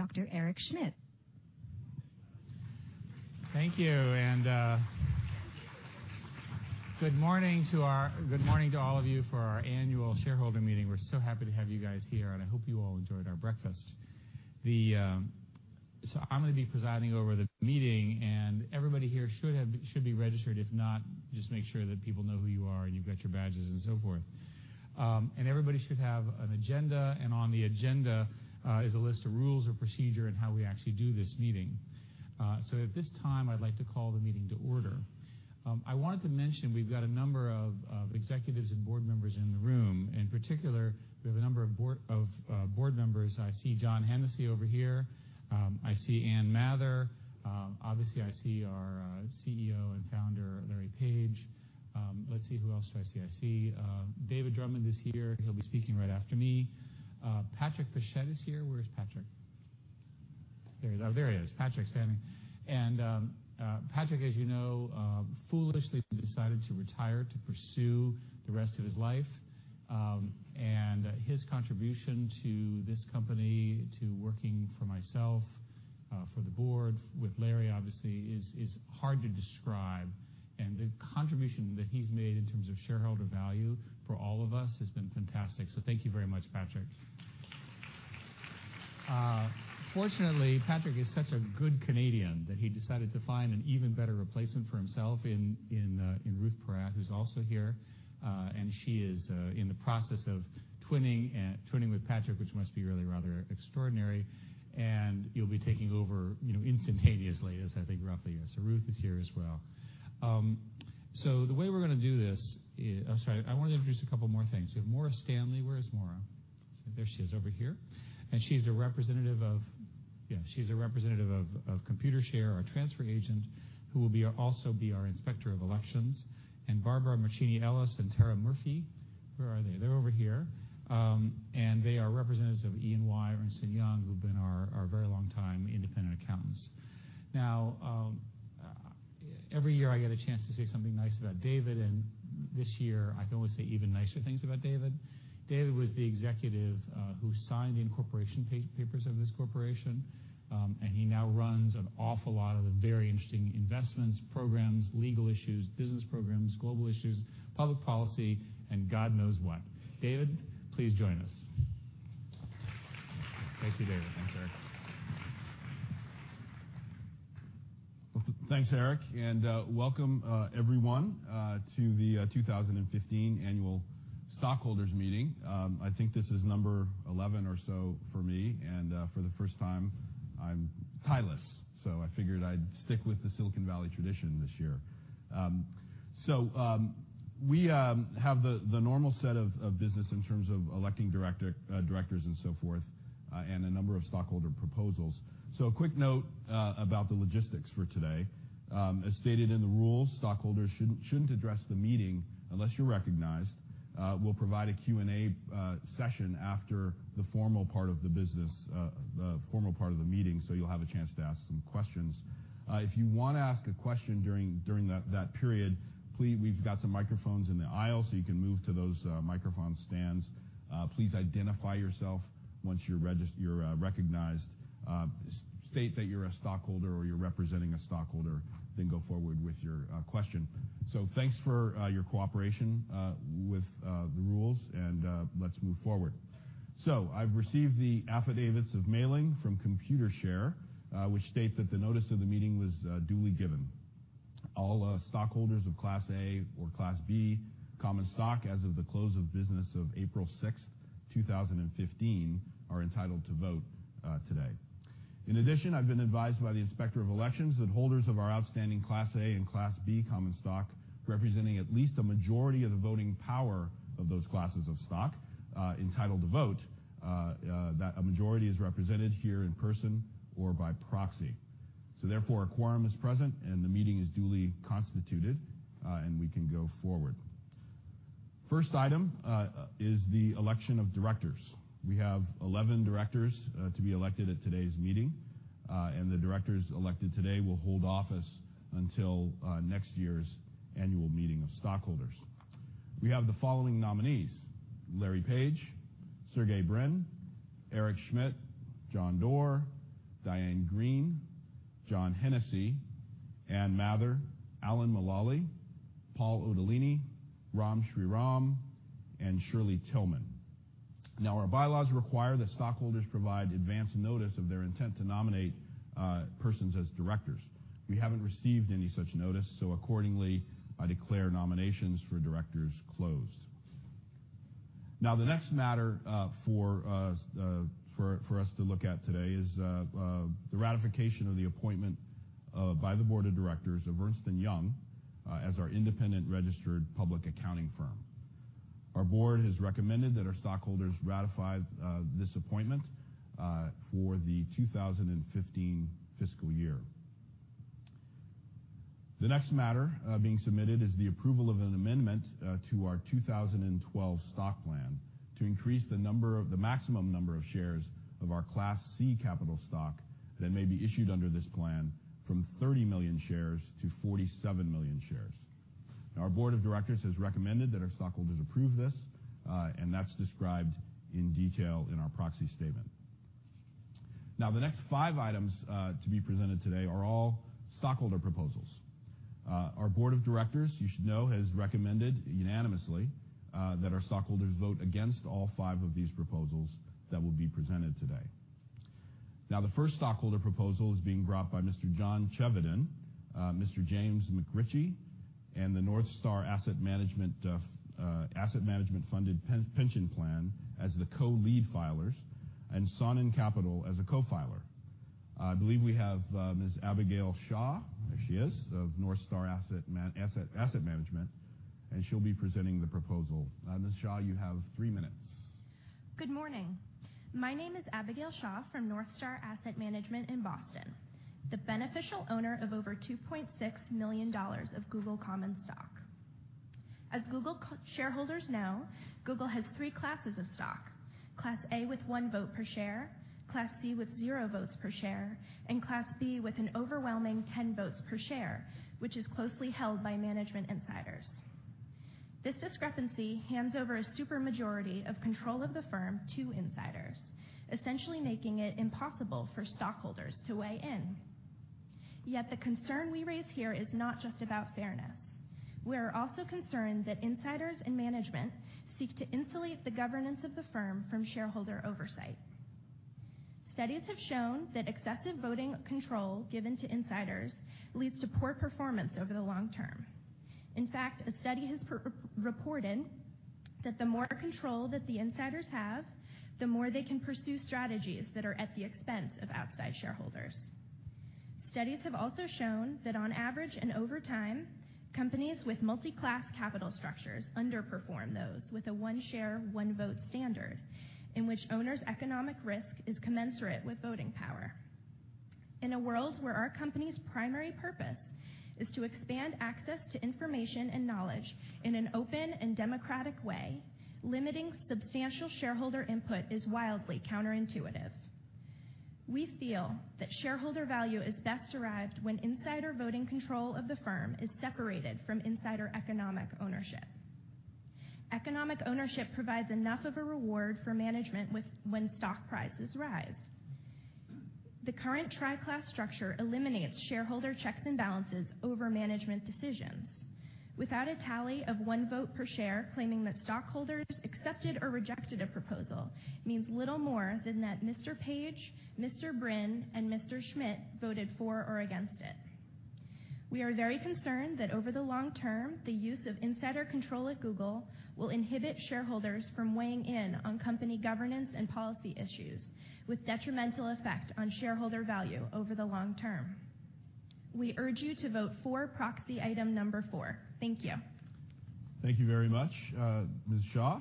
Dr. Eric Schmidt. Thank you, and good morning to all of you for our annual shareholder meeting. We're so happy to have you guys here, and I hope you all enjoyed our breakfast. I'm gonna be presiding over the meeting, and everybody here should be registered. If not, just make sure that people know who you are and you've got your badges and so forth. Everybody should have an agenda, and on the agenda is a list of rules of procedure and how we actually do this meeting. At this time, I'd like to call the meeting to order. I wanted to mention we've got a number of executives and board members in the room. In particular, we have a number of board members. I see John Hennessy over here. I see Ann Mather. Obviously, I see our CEO and founder, Larry Page. Let's see, who else do I see? I see David Drummond is here. He'll be speaking right after me. Patrick Pichette is here. Where is Patrick? There he is. Oh, there he is. Patrick standing. And Patrick, as you know, foolishly decided to retire to pursue the rest of his life, and his contribution to this company, to working for myself, for the board with Larry, obviously, is hard to describe. The contribution that he's made in terms of shareholder value for all of us has been fantastic. So thank you very much, Patrick. Fortunately, Patrick is such a good Canadian that he decided to find an even better replacement for himself in Ruth Porat, who's also here, and she is in the process of twinning and twinning with Patrick, which must be really rather extraordinary. And you'll be taking over, you know, instantaneously, as I think roughly. Yeah. So Ruth is here as well. So the way we're gonna do this, I'm sorry. I wanted to introduce a couple more things. We have Maura Stanley. Where is Maura? There she is over here. And she's a representative of, yeah, she's a representative of Computershare, our transfer agent, who will also be our inspector of elections. And Barbara Marchini Ellis and Tara Murphy. Where are they? They're over here. And they are representatives of E&Y and Ernst & Young, who've been our very long-time independent accountants. Now, every year I get a chance to say something nice about David, and this year I can only say even nicer things about David. David was the executive who signed the incorporation papers of this corporation. And he now runs an awful lot of the very interesting investments, programs, legal issues, business programs, global issues, public policy, and God knows what. David, please join us. Thank you, David. Thanks, Eric. Welcome, everyone, to the 2015 annual stockholders meeting. I think this is number 11 or so for me. For the first time, I'm tireless. I figured I'd stick with the Silicon Valley tradition this year. We have the normal set of business in terms of electing directors and so forth, and a number of stockholder proposals. A quick note about the logistics for today. As stated in the rules, stockholders shouldn't address the meeting unless you're recognized. We'll provide a Q&A session after the formal part of the meeting, so you'll have a chance to ask some questions. If you wanna ask a question during that period, we've got some microphones in the aisle, so you can move to those microphone stands. Please identify yourself once you're recognized. State that you're a stockholder or you're representing a stockholder, then go forward with your question. So thanks for your cooperation with the rules, and let's move forward. So I've received the affidavits of mailing from Computershare, which state that the notice of the meeting was duly given. All stockholders of Class A or Class B Common Stock, as of the close of business of April 6th, 2015, are entitled to vote today. In addition, I've been advised by the inspector of elections that holders of our outstanding Class A and Class B Common Stock, representing at least a majority of the voting power of those classes of stock entitled to vote, that a majority is represented here in person or by proxy. So therefore, a quorum is present, and the meeting is duly constituted, and we can go forward. First item is the election of directors. We have 11 directors to be elected at today's meeting. And the directors elected today will hold office until next year's annual meeting of stockholders. We have the following nominees: Larry Page, Sergey Brin, Eric Schmidt, John Doerr, Diane Greene, John Hennessy, Ann Mather, Alan Mulally, Paul Otellini, Ram Shriram, and Shirley Tilghman. Now, our bylaws require that stockholders provide advance notice of their intent to nominate persons as directors. We haven't received any such notice, so accordingly, I declare nominations for directors closed. Now, the next matter for us to look at today is the ratification of the appointment by the board of directors of Ernst & Young as our independent registered public accounting firm. Our board has recommended that our stockholders ratify this appointment for the 2015 fiscal year. The next matter, being submitted is the approval of an amendment, to our 2012 Stock Plan to increase the number of the maximum number of shares of our Class C capital stock that may be issued under this plan from 30 million shares to 47 million shares. Our board of directors has recommended that our stockholders approve this, and that's described in detail in our proxy statement. Now, the next five items, to be presented today are all stockholder proposals. Our board of directors, you should know, has recommended unanimously, that our stockholders vote against all five of these proposals that will be presented today. Now, the first stockholder proposal is being brought by Mr. John Chevedden, Mr. James McRitchie, and the NorthStar Asset Management Funded Pension Plan as the co-lead filers, and Sonen Capital as a co-filer. I believe we have, Ms. Abigail Shaw. There she is, of NorthStar Asset Management, and she'll be presenting the proposal. Ms. Shaw, you have three minutes. Good morning. My name is Abigail Shaw from NorthStar Asset Management in Boston, the beneficial owner of over $2.6 million of Google Common Stock. As Google shareholders know, Google has three classes of stock: Class A with one vote per share, Class C with zero votes per share, and Class B with an overwhelming 10 votes per share, which is closely held by management insiders. This discrepancy hands over a supermajority of control of the firm to insiders, essentially making it impossible for stockholders to weigh in. Yet the concern we raise here is not just about fairness. We are also concerned that insiders and management seek to insulate the governance of the firm from shareholder oversight. Studies have shown that excessive voting control given to insiders leads to poor performance over the long term. In fact, a study has performed that the more control that the insiders have, the more they can pursue strategies that are at the expense of outside shareholders. Studies have also shown that on average and over time, companies with multi-class capital structures underperform those with a one-share, one-vote standard in which owners' economic risk is commensurate with voting power. In a world where our company's primary purpose is to expand access to information and knowledge in an open and democratic way, limiting substantial shareholder input is wildly counterintuitive. We feel that shareholder value is best derived when insider voting control of the firm is separated from insider economic ownership. Economic ownership provides enough of a reward for management when stock prices rise. The current tri-class structure eliminates shareholder checks and balances over management decisions. Without a tally of one vote per share, claiming that stockholders accepted or rejected a proposal means little more than that Mr. Page, Mr. Brin, and Mr. Schmidt voted for or against it. We are very concerned that over the long term, the use of insider control at Google will inhibit shareholders from weighing in on company governance and policy issues, with detrimental effect on shareholder value over the long term. We urge you to vote for proxy item number four. Thank you. Thank you very much, Ms. Shaw.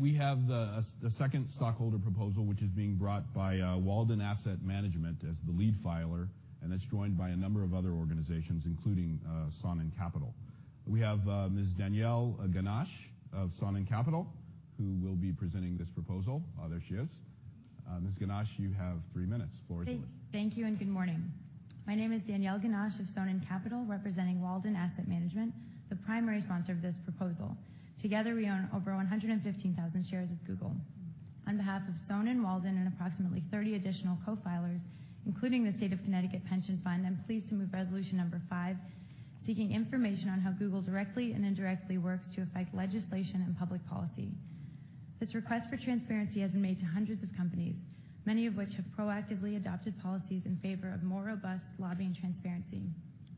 We have the second stockholder proposal, which is being brought by Walden Asset Management as the lead filer, and that's joined by a number of other organizations, including Sonen Capital. We have Ms. Danielle Ginach of Sonen Capital, who will be presenting this proposal. Oh, there she is. Ms. Ginach, you have three minutes. Floor is yours. Thank you, and good morning. My name is Danielle Ginach of Sonen Capital, representing Walden Asset Management, the primary sponsor of this proposal. Together, we own over 115,000 shares of Google. On behalf of Sonen, Walden, and approximately 30 additional co-filers, including the State of Connecticut Pension Fund, I'm pleased to move resolution number five, seeking information on how Google directly and indirectly works to affect legislation and public policy. This request for transparency has been made to hundreds of companies, many of which have proactively adopted policies in favor of more robust lobbying transparency,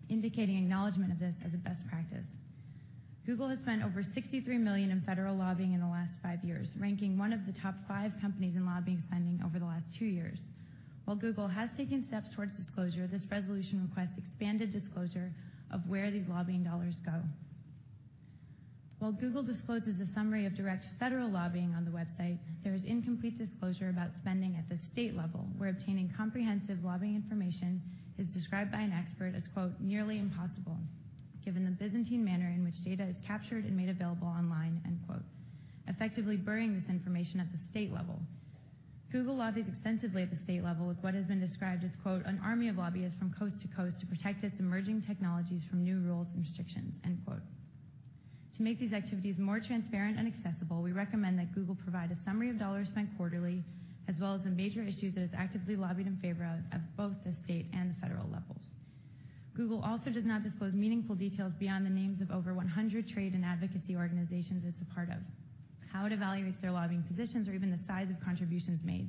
indicating acknowledgment of this as a best practice. Google has spent over $63 million in federal lobbying in the last five years, ranking one of the top five companies in lobbying spending over the last two years. While Google has taken steps toward disclosure, this resolution requests expanded disclosure of where these lobbying dollars go. While Google discloses a summary of direct federal lobbying on the website, there is incomplete disclosure about spending at the state level, where obtaining comprehensive lobbying information is described by an expert as, quote, "nearly impossible," given the Byzantine manner in which data is captured and made available online, end quote, effectively burying this information at the state level. Google lobbies extensively at the state level with what has been described as, quote, "an army of lobbyists from coast to coast to protect its emerging technologies from new rules and restrictions," end quote. To make these activities more transparent and accessible, we recommend that Google provide a summary of dollars spent quarterly, as well as the major issues it has actively lobbied in favor of, at both the state and the federal levels. Google also does not disclose meaningful details beyond the names of over 100 trade and advocacy organizations it's a part of, how it evaluates their lobbying positions, or even the size of contributions made.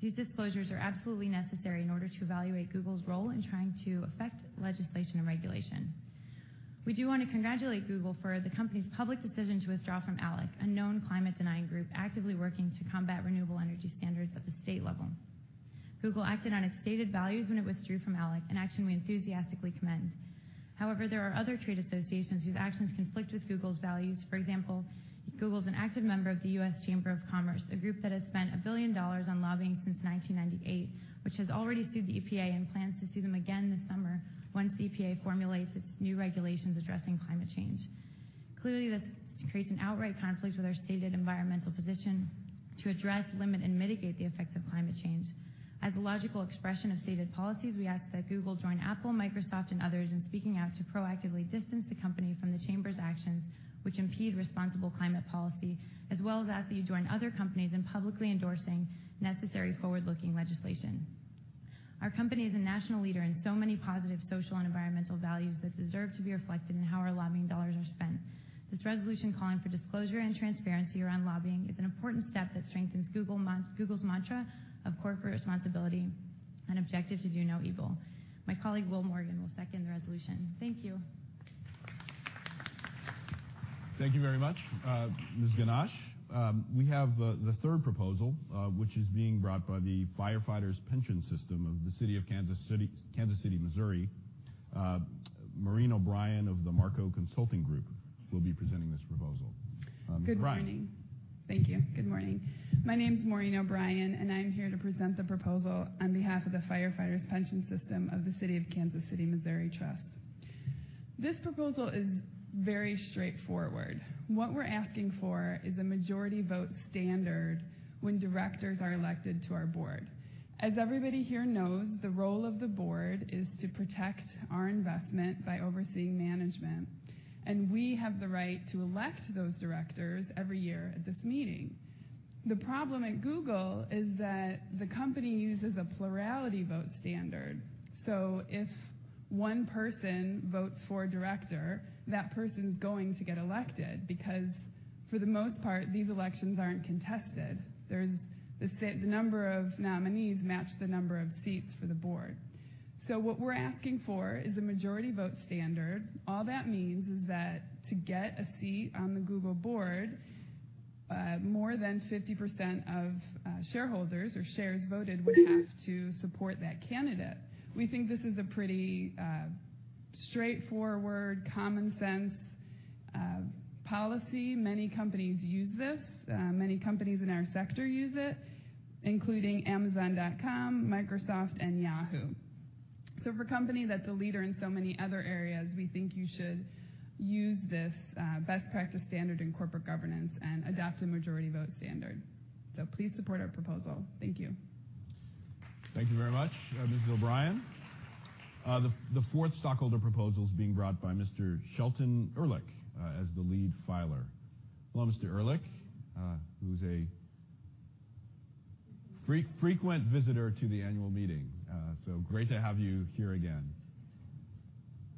These disclosures are absolutely necessary in order to evaluate Google's role in trying to affect legislation and regulation. We do wanna congratulate Google for the company's public decision to withdraw from ALEC, a known climate-denying group actively working to combat renewable energy standards at the state level. Google acted on its stated values when it withdrew from ALEC, an action we enthusiastically commend. However, there are other trade associations whose actions conflict with Google's values. For example, Google's an active member of the U.S. Chamber of Commerce, a group that has spent $1 billion on lobbying since 1998, which has already sued the EPA and plans to sue them again this summer once the EPA formulates its new regulations addressing climate change. Clearly, this creates an outright conflict with our stated environmental position to address, limit, and mitigate the effects of climate change. As a logical expression of stated policies, we ask that Google join Apple, Microsoft, and others in speaking out to proactively distance the company from the chamber's actions, which impede responsible climate policy, as well as ask that you join other companies in publicly endorsing necessary forward-looking legislation. Our company is a national leader in so many positive social and environmental values that deserve to be reflected in how our lobbying dollars are spent. This resolution calling for disclosure and transparency around lobbying is an important step that strengthens Google's mantra of corporate responsibility and objective to do no evil. My colleague, Will Morgan, will second the resolution. Thank you. Thank you very much. Ms. Ginach, we have the third proposal, which is being brought by the Firefighters Pension System of the City of Kansas City, Missouri. Maureen O'Brien of the Marco Consulting Group will be presenting this proposal. Good. Good morning. Thank you. Good morning. My name's Maureen O'Brien, and I'm here to present the proposal on behalf of the Firefighters Pension System of the City of Kansas City, Missouri Trust. This proposal is very straightforward. What we're asking for is a majority vote standard when directors are elected to our board. As everybody here knows, the role of the board is to protect our investment by overseeing management, and we have the right to elect those directors every year at this meeting. The problem at Google is that the company uses a plurality vote standard. So if one person votes for director, that person's going to get elected because, for the most part, these elections aren't contested. There's the number of nominees match the number of seats for the board. So what we're asking for is a majority vote standard. All that means is that to get a seat on the Google board, more than 50% of shareholders or shares voted would have to support that candidate. We think this is a pretty straightforward, common-sense policy. Many companies use this. Many companies in our sector use it, including Amazon.com, Microsoft, and Yahoo. So for a company that's a leader in so many other areas, we think you should use this best practice standard in corporate governance and adopt a majority vote standard. So please support our proposal. Thank you. Thank you very much, Ms. O'Brien. The fourth stockholder proposal is being brought by Mr. Shelton Ehrlich, as the lead filer. Hello, Mr. Ehrlich, who's a frequent visitor to the annual meeting, so great to have you here again.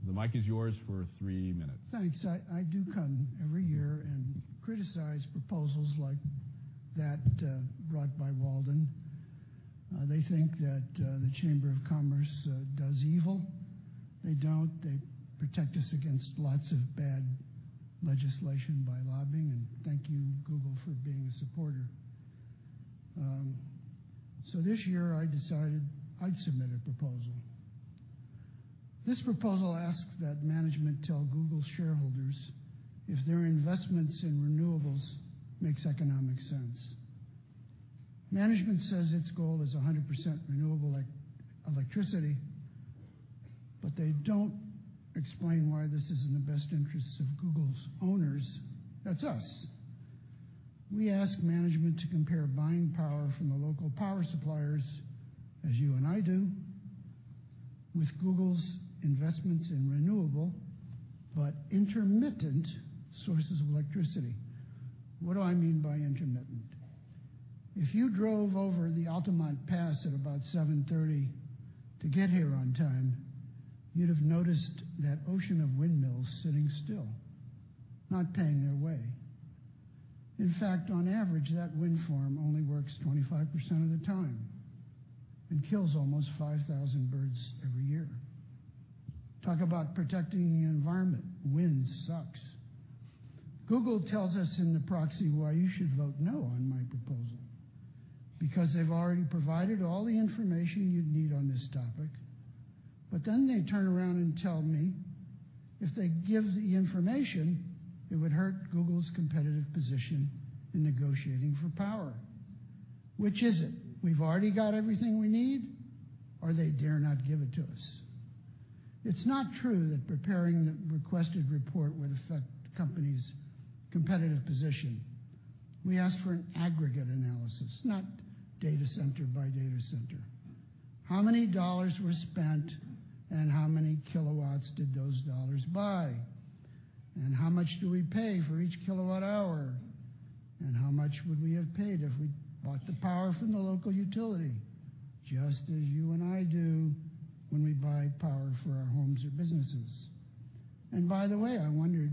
The mic is yours for three minutes. Thanks. I do come every year and criticize proposals like that, brought by Walden. They think that the Chamber of Commerce does evil. They don't. They protect us against lots of bad legislation by lobbying. And thank you, Google, for being a supporter. So this year, I decided I'd submit a proposal. This proposal asks that management tell Google's shareholders if their investments in renewables make economic sense. Management says its goal is 100% renewable electricity, but they don't explain why this is in the best interests of Google's owners. That's us. We ask management to compare buying power from the local power suppliers, as you and I do, with Google's investments in renewable but intermittent sources of electricity. What do I mean by intermittent? If you drove over the Altamont Pass at about 7:30 A.M. to get here on time, you'd have noticed that ocean of windmills sitting still, not paying their way. In fact, on average, that wind farm only works 25% of the time and kills almost 5,000 birds every year. Talk about protecting the environment. Wind sucks. Google tells us in the proxy why you should vote no on my proposal because they've already provided all the information you'd need on this topic, but then they turn around and tell me if they give the information, it would hurt Google's competitive position in negotiating for power. Which is it? We've already got everything we need, or they dare not give it to us? It's not true that preparing the requested report would affect the company's competitive position. We ask for an aggregate analysis, not data center by data center. How many dollars were spent, and how many kilowatts did those dollars buy, and how much do we pay for each kilowatt-hour, and how much would we have paid if we bought the power from the local utility, just as you and I do when we buy power for our homes or businesses? And by the way, I wondered,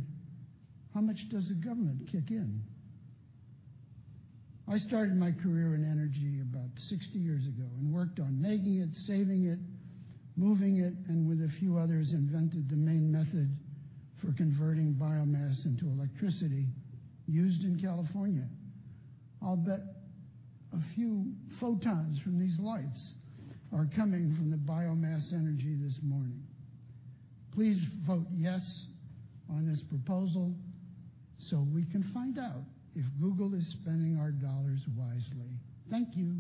how much does the government kick in? I started my career in energy about 60 years ago and worked on making it, saving it, moving it, and with a few others, invented the main method for converting biomass into electricity used in California. I'll bet a few photons from these lights are coming from the biomass energy this morning. Please vote yes on this proposal so we can find out if Google is spending our dollars wisely. Thank you.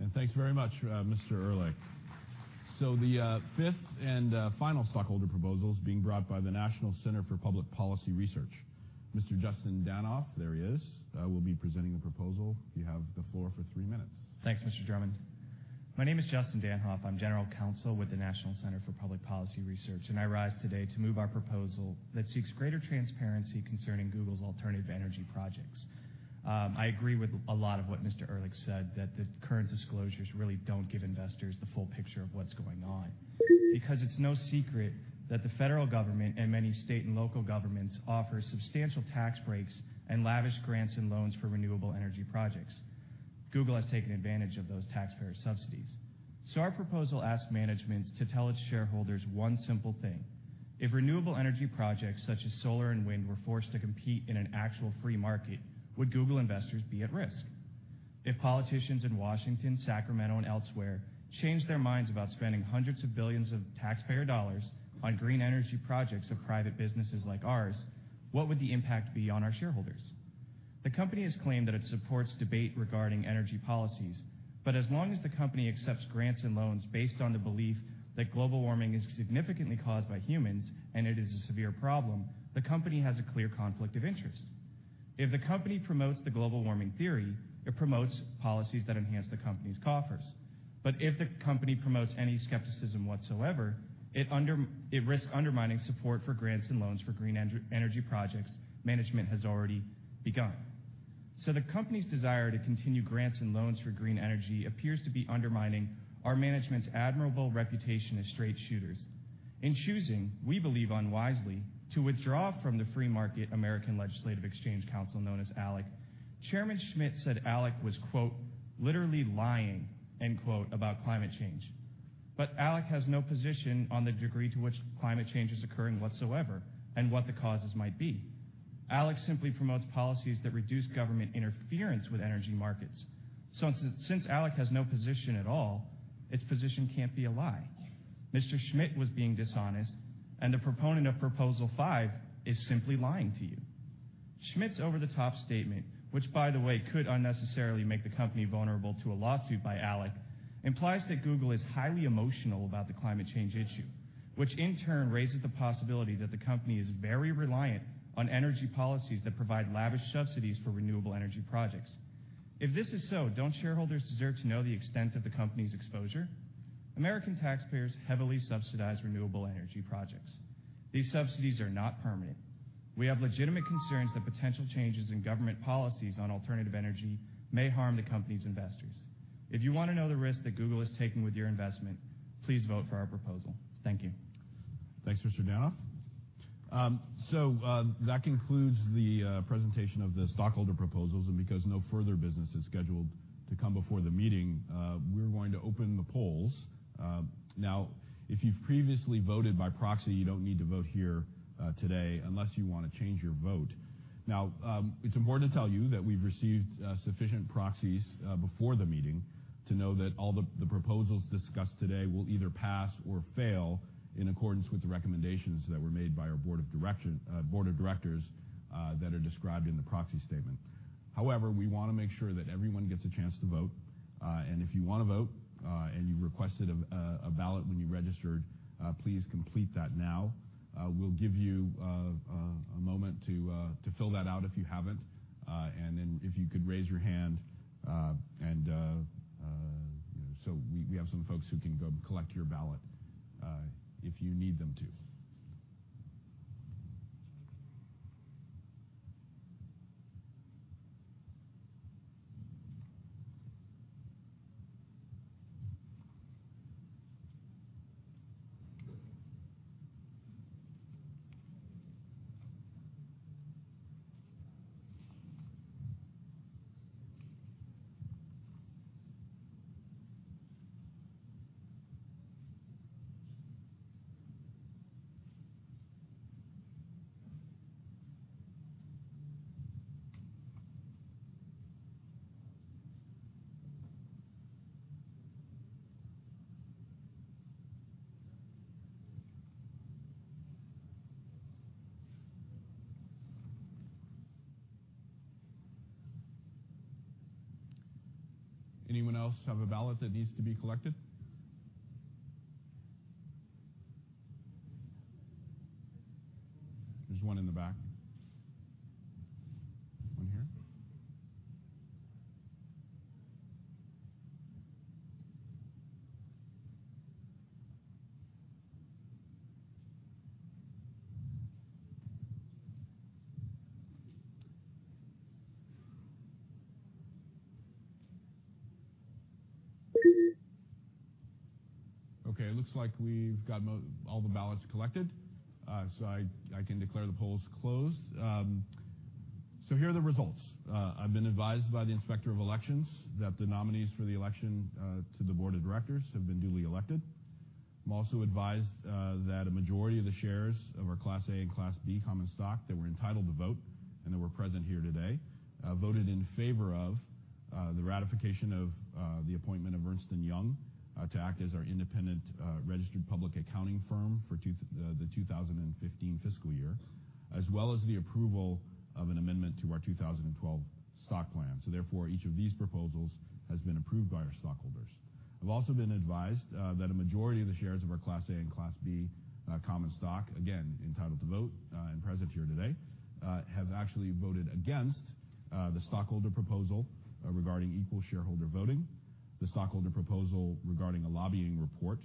And thanks very much, Mr. Ehrlich. So the fifth and final stockholder proposal is being brought by the National Center for Public Policy Research. Mr. Justin Danhoff, there he is, will be presenting the proposal. You have the floor for three minutes. Thanks, Mr. Drummond. My name is Justin Danhoff. I'm general counsel with the National Center for Public Policy Research, and I rise today to move our proposal that seeks greater transparency concerning Google's alternative energy projects. I agree with a lot of what Mr. Ehrlich said, that the current disclosures really don't give investors the full picture of what's going on because it's no secret that the federal government and many state and local governments offer substantial tax breaks and lavish grants and loans for renewable energy projects. Google has taken advantage of those taxpayer subsidies. So our proposal asks management to tell its shareholders one simple thing: if renewable energy projects such as solar and wind were forced to compete in an actual free market, would Google investors be at risk? If politicians in Washington, Sacramento, and elsewhere change their minds about spending hundreds of billions of taxpayer dollars on green energy projects of private businesses like ours, what would the impact be on our shareholders? The company has claimed that it supports debate regarding energy policies, but as long as the company accepts grants and loans based on the belief that global warming is significantly caused by humans and it is a severe problem, the company has a clear conflict of interest. If the company promotes the global warming theory, it promotes policies that enhance the company's coffers. But if the company promotes any skepticism whatsoever, it risks undermining support for grants and loans for green energy projects. Management has already begun, so the company's desire to continue grants and loans for green energy appears to be undermining our management's admirable reputation as straight shooters. In choosing, we believe unwisely, to withdraw from the free market American Legislative Exchange Council known as ALEC, Chairman Schmidt said ALEC was, quote, "literally lying," end quote, about climate change. But ALEC has no position on the degree to which climate change is occurring whatsoever and what the causes might be. ALEC simply promotes policies that reduce government interference with energy markets. So since ALEC has no position at all, its position can't be a lie. Mr. Schmidt was being dishonest, and the proponent of proposal five is simply lying to you. Schmidt's over-the-top statement, which, by the way, could unnecessarily make the company vulnerable to a lawsuit by ALEC, implies that Google is highly emotional about the climate change issue, which in turn raises the possibility that the company is very reliant on energy policies that provide lavish subsidies for renewable energy projects. If this is so, don't shareholders deserve to know the extent of the company's exposure? American taxpayers heavily subsidize renewable energy projects. These subsidies are not permanent. We have legitimate concerns that potential changes in government policies on alternative energy may harm the company's investors. If you wanna know the risk that Google is taking with your investment, please vote for our proposal. Thank you. Thanks, Mr. Danhoff. That concludes the presentation of the stockholder proposals. Because no further business is scheduled to come before the meeting, we're going to open the polls. If you've previously voted by proxy, you don't need to vote here today unless you wanna change your vote. It's important to tell you that we've received sufficient proxies before the meeting to know that all the proposals discussed today will either pass or fail in accordance with the recommendations that were made by our board of directors that are described in the proxy statement. However, we wanna make sure that everyone gets a chance to vote. If you wanna vote and you've requested a ballot when you registered, please complete that now. We'll give you a moment to fill that out if you haven't. And then if you could raise your hand, and, you know, so we have some folks who can go collect your ballot, if you need them to. Anyone else have a ballot that needs to be collected? There's one in the back. One here. Okay. It looks like we've got most all the ballots collected. So I can declare the polls closed. So here are the results. I've been advised by the inspector of elections that the nominees for the election to the board of directors have been duly elected. I'm also advised that a majority of the shares of our Class A and Class B common stock that were entitled to vote and that were present here today voted in favor of the ratification of the appointment of Ernst & Young to act as our independent registered public accounting firm for the 2015 fiscal year, as well as the approval of an amendment to our 2012 Stock Plan. Therefore, each of these proposals has been approved by our stockholders. I've also been advised that a majority of the shares of our Class A and Class B common stock, again entitled to vote and present here today, have actually voted against the stockholder proposal regarding equal shareholder voting, the stockholder proposal regarding a lobbying report,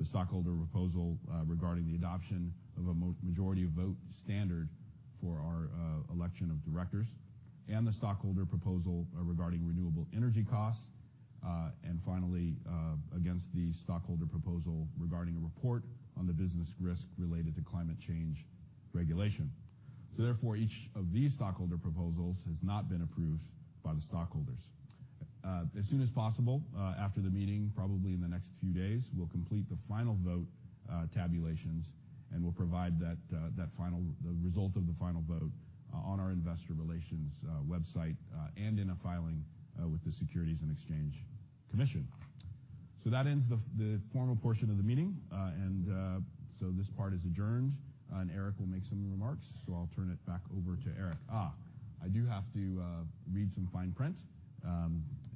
the stockholder proposal regarding the adoption of a majority vote standard for our election of directors, and the stockholder proposal regarding renewable energy costs, and finally against the stockholder proposal regarding a report on the business risk related to climate change regulation. So therefore, each of these stockholder proposals has not been approved by the stockholders. As soon as possible after the meeting, probably in the next few days, we'll complete the final vote tabulations and we'll provide that final result of the final vote on our investor relations website and in a filing with the Securities and Exchange Commission. That ends the formal portion of the meeting. This part is adjourned, and Eric will make some remarks. I'll turn it back over to Eric. I do have to read some fine print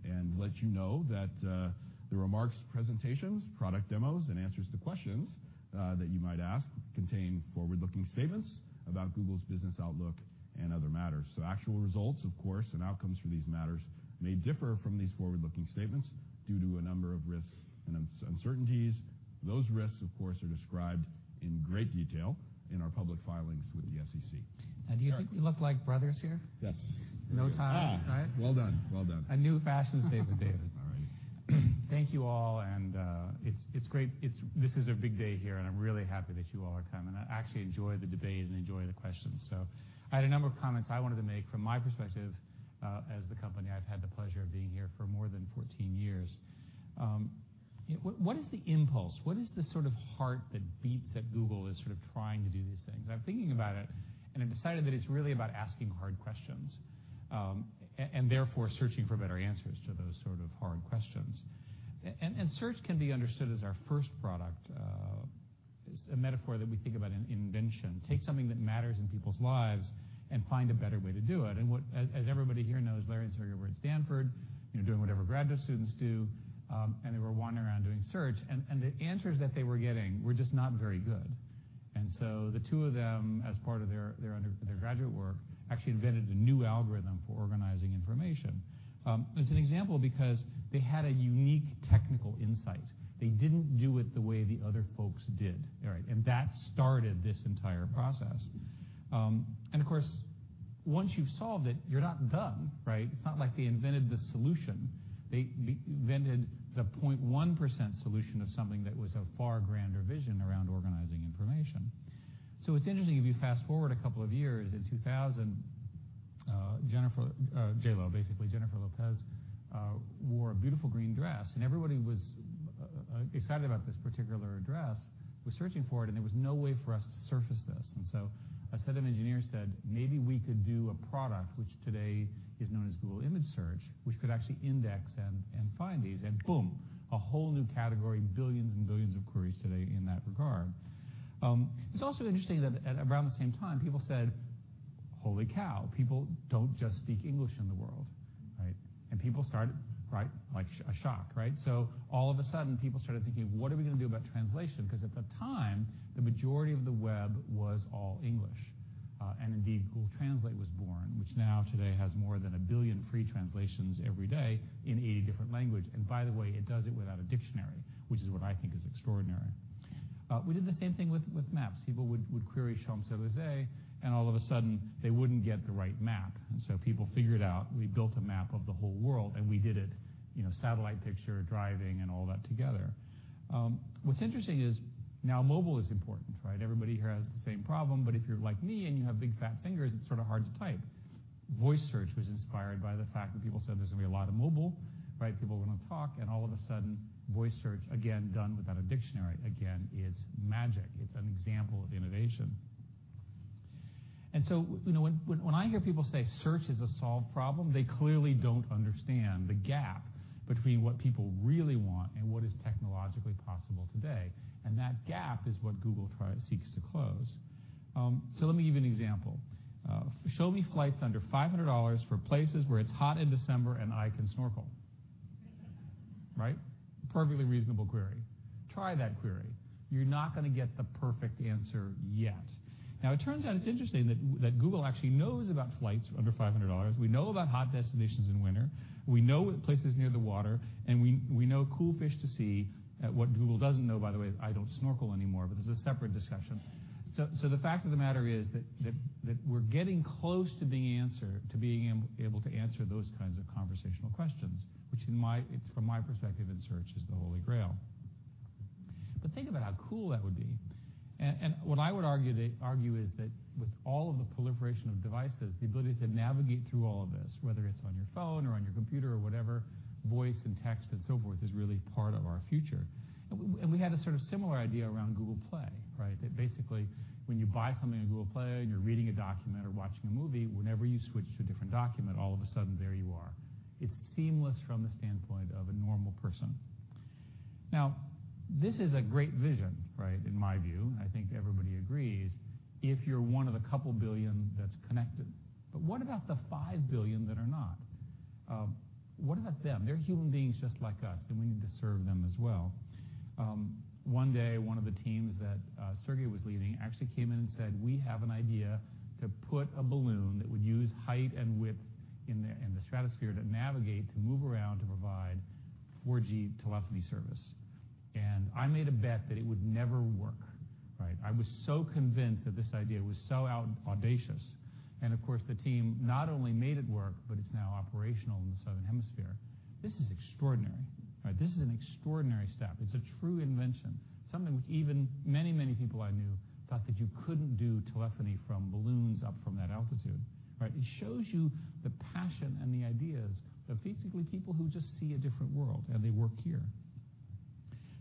and let you know that the remarks, presentations, product demos, and answers to questions that you might ask contain forward-looking statements about Google's business outlook and other matters. Actual results, of course, and outcomes for these matters may differ from these forward-looking statements due to a number of risks and uncertainties. Those risks, of course, are described in great detail in our public filings with the SEC. Do you think we look like brothers here? Yes. No time. All right? Well done. Well done. A new fashion statement, David. All righty. Thank you all. It's great. It's a big day here, and I'm really happy that you all are coming. I actually enjoy the debate and enjoy the questions. So I had a number of comments I wanted to make from my perspective, as the company. I've had the pleasure of being here for more than 14 years. What is the impulse? What is the sort of heart that beats that Google is sort of trying to do these things? I'm thinking about it, and I've decided that it's really about asking hard questions and therefore searching for better answers to those sort of hard questions. And search can be understood as our first product, is a metaphor that we think about an invention. Take something that matters in people's lives and find a better way to do it. As everybody here knows, Larry and Sergey were at Stanford, you know, doing whatever graduate students do, and they were wandering around doing search. The answers that they were getting were just not very good. So the two of them, as part of their undergraduate work, actually invented a new algorithm for organizing information. It's an example because they had a unique technical insight. They didn't do it the way the other folks did. All right. That started this entire process. Of course, once you've solved it, you're not done, right? It's not like they invented the solution. They invented the 0.1% solution of something that was a far grander vision around organizing information. It's interesting if you fast forward a couple of years. In 2000, Jennifer J.Lo, basically Jennifer Lopez, wore a beautiful green dress, and everybody was excited about this particular dress and was searching for it, and there was no way for us to surface this. A set of engineers said, "Maybe we could do a product, which today is known as Google Image Search, which could actually index and find these." Boom, a whole new category, billions and billions of queries today in that regard. It's also interesting that at around the same time, people said, "Holy cow, people don't just speak English in the world," right? People started, right? Like a shock, right? All of a sudden, people started thinking, "What are we gonna do about translation?" 'Cause at the time, the majority of the web was all English. Indeed, Google Translate was born, which now today has more than a billion free translations every day in 80 different languages. And by the way, it does it without a dictionary, which is what I think is extraordinary. We did the same thing with maps. People would query Champs-Élysées, and all of a sudden, they wouldn't get the right map. And so people figured out we built a map of the whole world, and we did it, you know, satellite picture, driving, and all that together. What's interesting is now mobile is important, right? Everybody here has the same problem, but if you're like me and you have big fat fingers, it's sort of hard to type. Voice search was inspired by the fact that people said there's gonna be a lot of mobile, right? People are gonna talk, and all of a sudden, voice search, again, done without a dictionary. Again, it's magic. It's an example of innovation. And so, you know, when I hear people say, "Search is a solved problem," they clearly don't understand the gap between what people really want and what is technologically possible today. And that gap is what Google tries to close, so let me give you an example. "Show me flights under $500 for places where it's hot in December and I can snorkel." Right? Perfectly reasonable query. Try that query. You're not gonna get the perfect answer yet. Now, it turns out it's interesting that Google actually knows about flights under $500. We know about hot destinations in winter. We know places near the water, and we know cool fish to see. What Google doesn't know, by the way, is I don't snorkel anymore, but it's a separate discussion. So the fact of the matter is that we're getting close to being able to answer those kinds of conversational questions, which from my perspective, in search, is the holy grail. But think about how cool that would be. And what I would argue they argue is that with all of the proliferation of devices, the ability to navigate through all of this, whether it's on your phone or on your computer or whatever, voice and text and so forth, is really part of our future. And we had a sort of similar idea around Google Play, right? That basically, when you buy something on Google Play and you're reading a document or watching a movie, whenever you switch to a different document, all of a sudden, there you are. It's seamless from the standpoint of a normal person. Now, this is a great vision, right, in my view. I think everybody agrees if you're one of the couple billion that's connected. But what about the five billion that are not? What about them? They're human beings just like us, and we need to serve them as well. One day, one of the teams that Sergey was leading actually came in and said, "We have an idea to put a balloon that would use height and wind in the stratosphere to navigate to move around to provide 4G telephony service." And I made a bet that it would never work, right? I was so convinced that this idea was so outrageously audacious, and of course, the team not only made it work, but it's now operational in the Southern Hemisphere. This is extraordinary, right? This is an extraordinary step. It's a true invention, something which even many, many people I knew thought that you couldn't do telephony from balloons up from that altitude, right? It shows you the passion and the ideas of basically people who just see a different world, and they work here.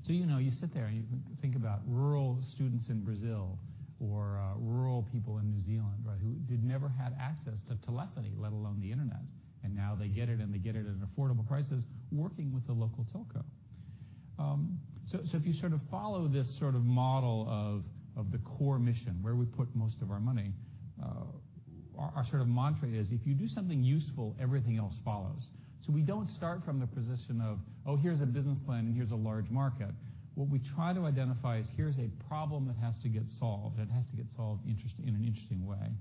So, you know, you sit there and you think about rural students in Brazil or rural people in New Zealand, right, who did never have access to telephony, let alone the internet, and now they get it, and they get it at an affordable price working with the local telco. If you sort of follow this sort of model of the core mission, where we put most of our money, our sort of mantra is, "If you do something useful, everything else follows." We don't start from the position of, "Oh, here's a business plan, and here's a large market." What we try to identify is here's a problem that has to get solved, and it has to get solved in an interesting way.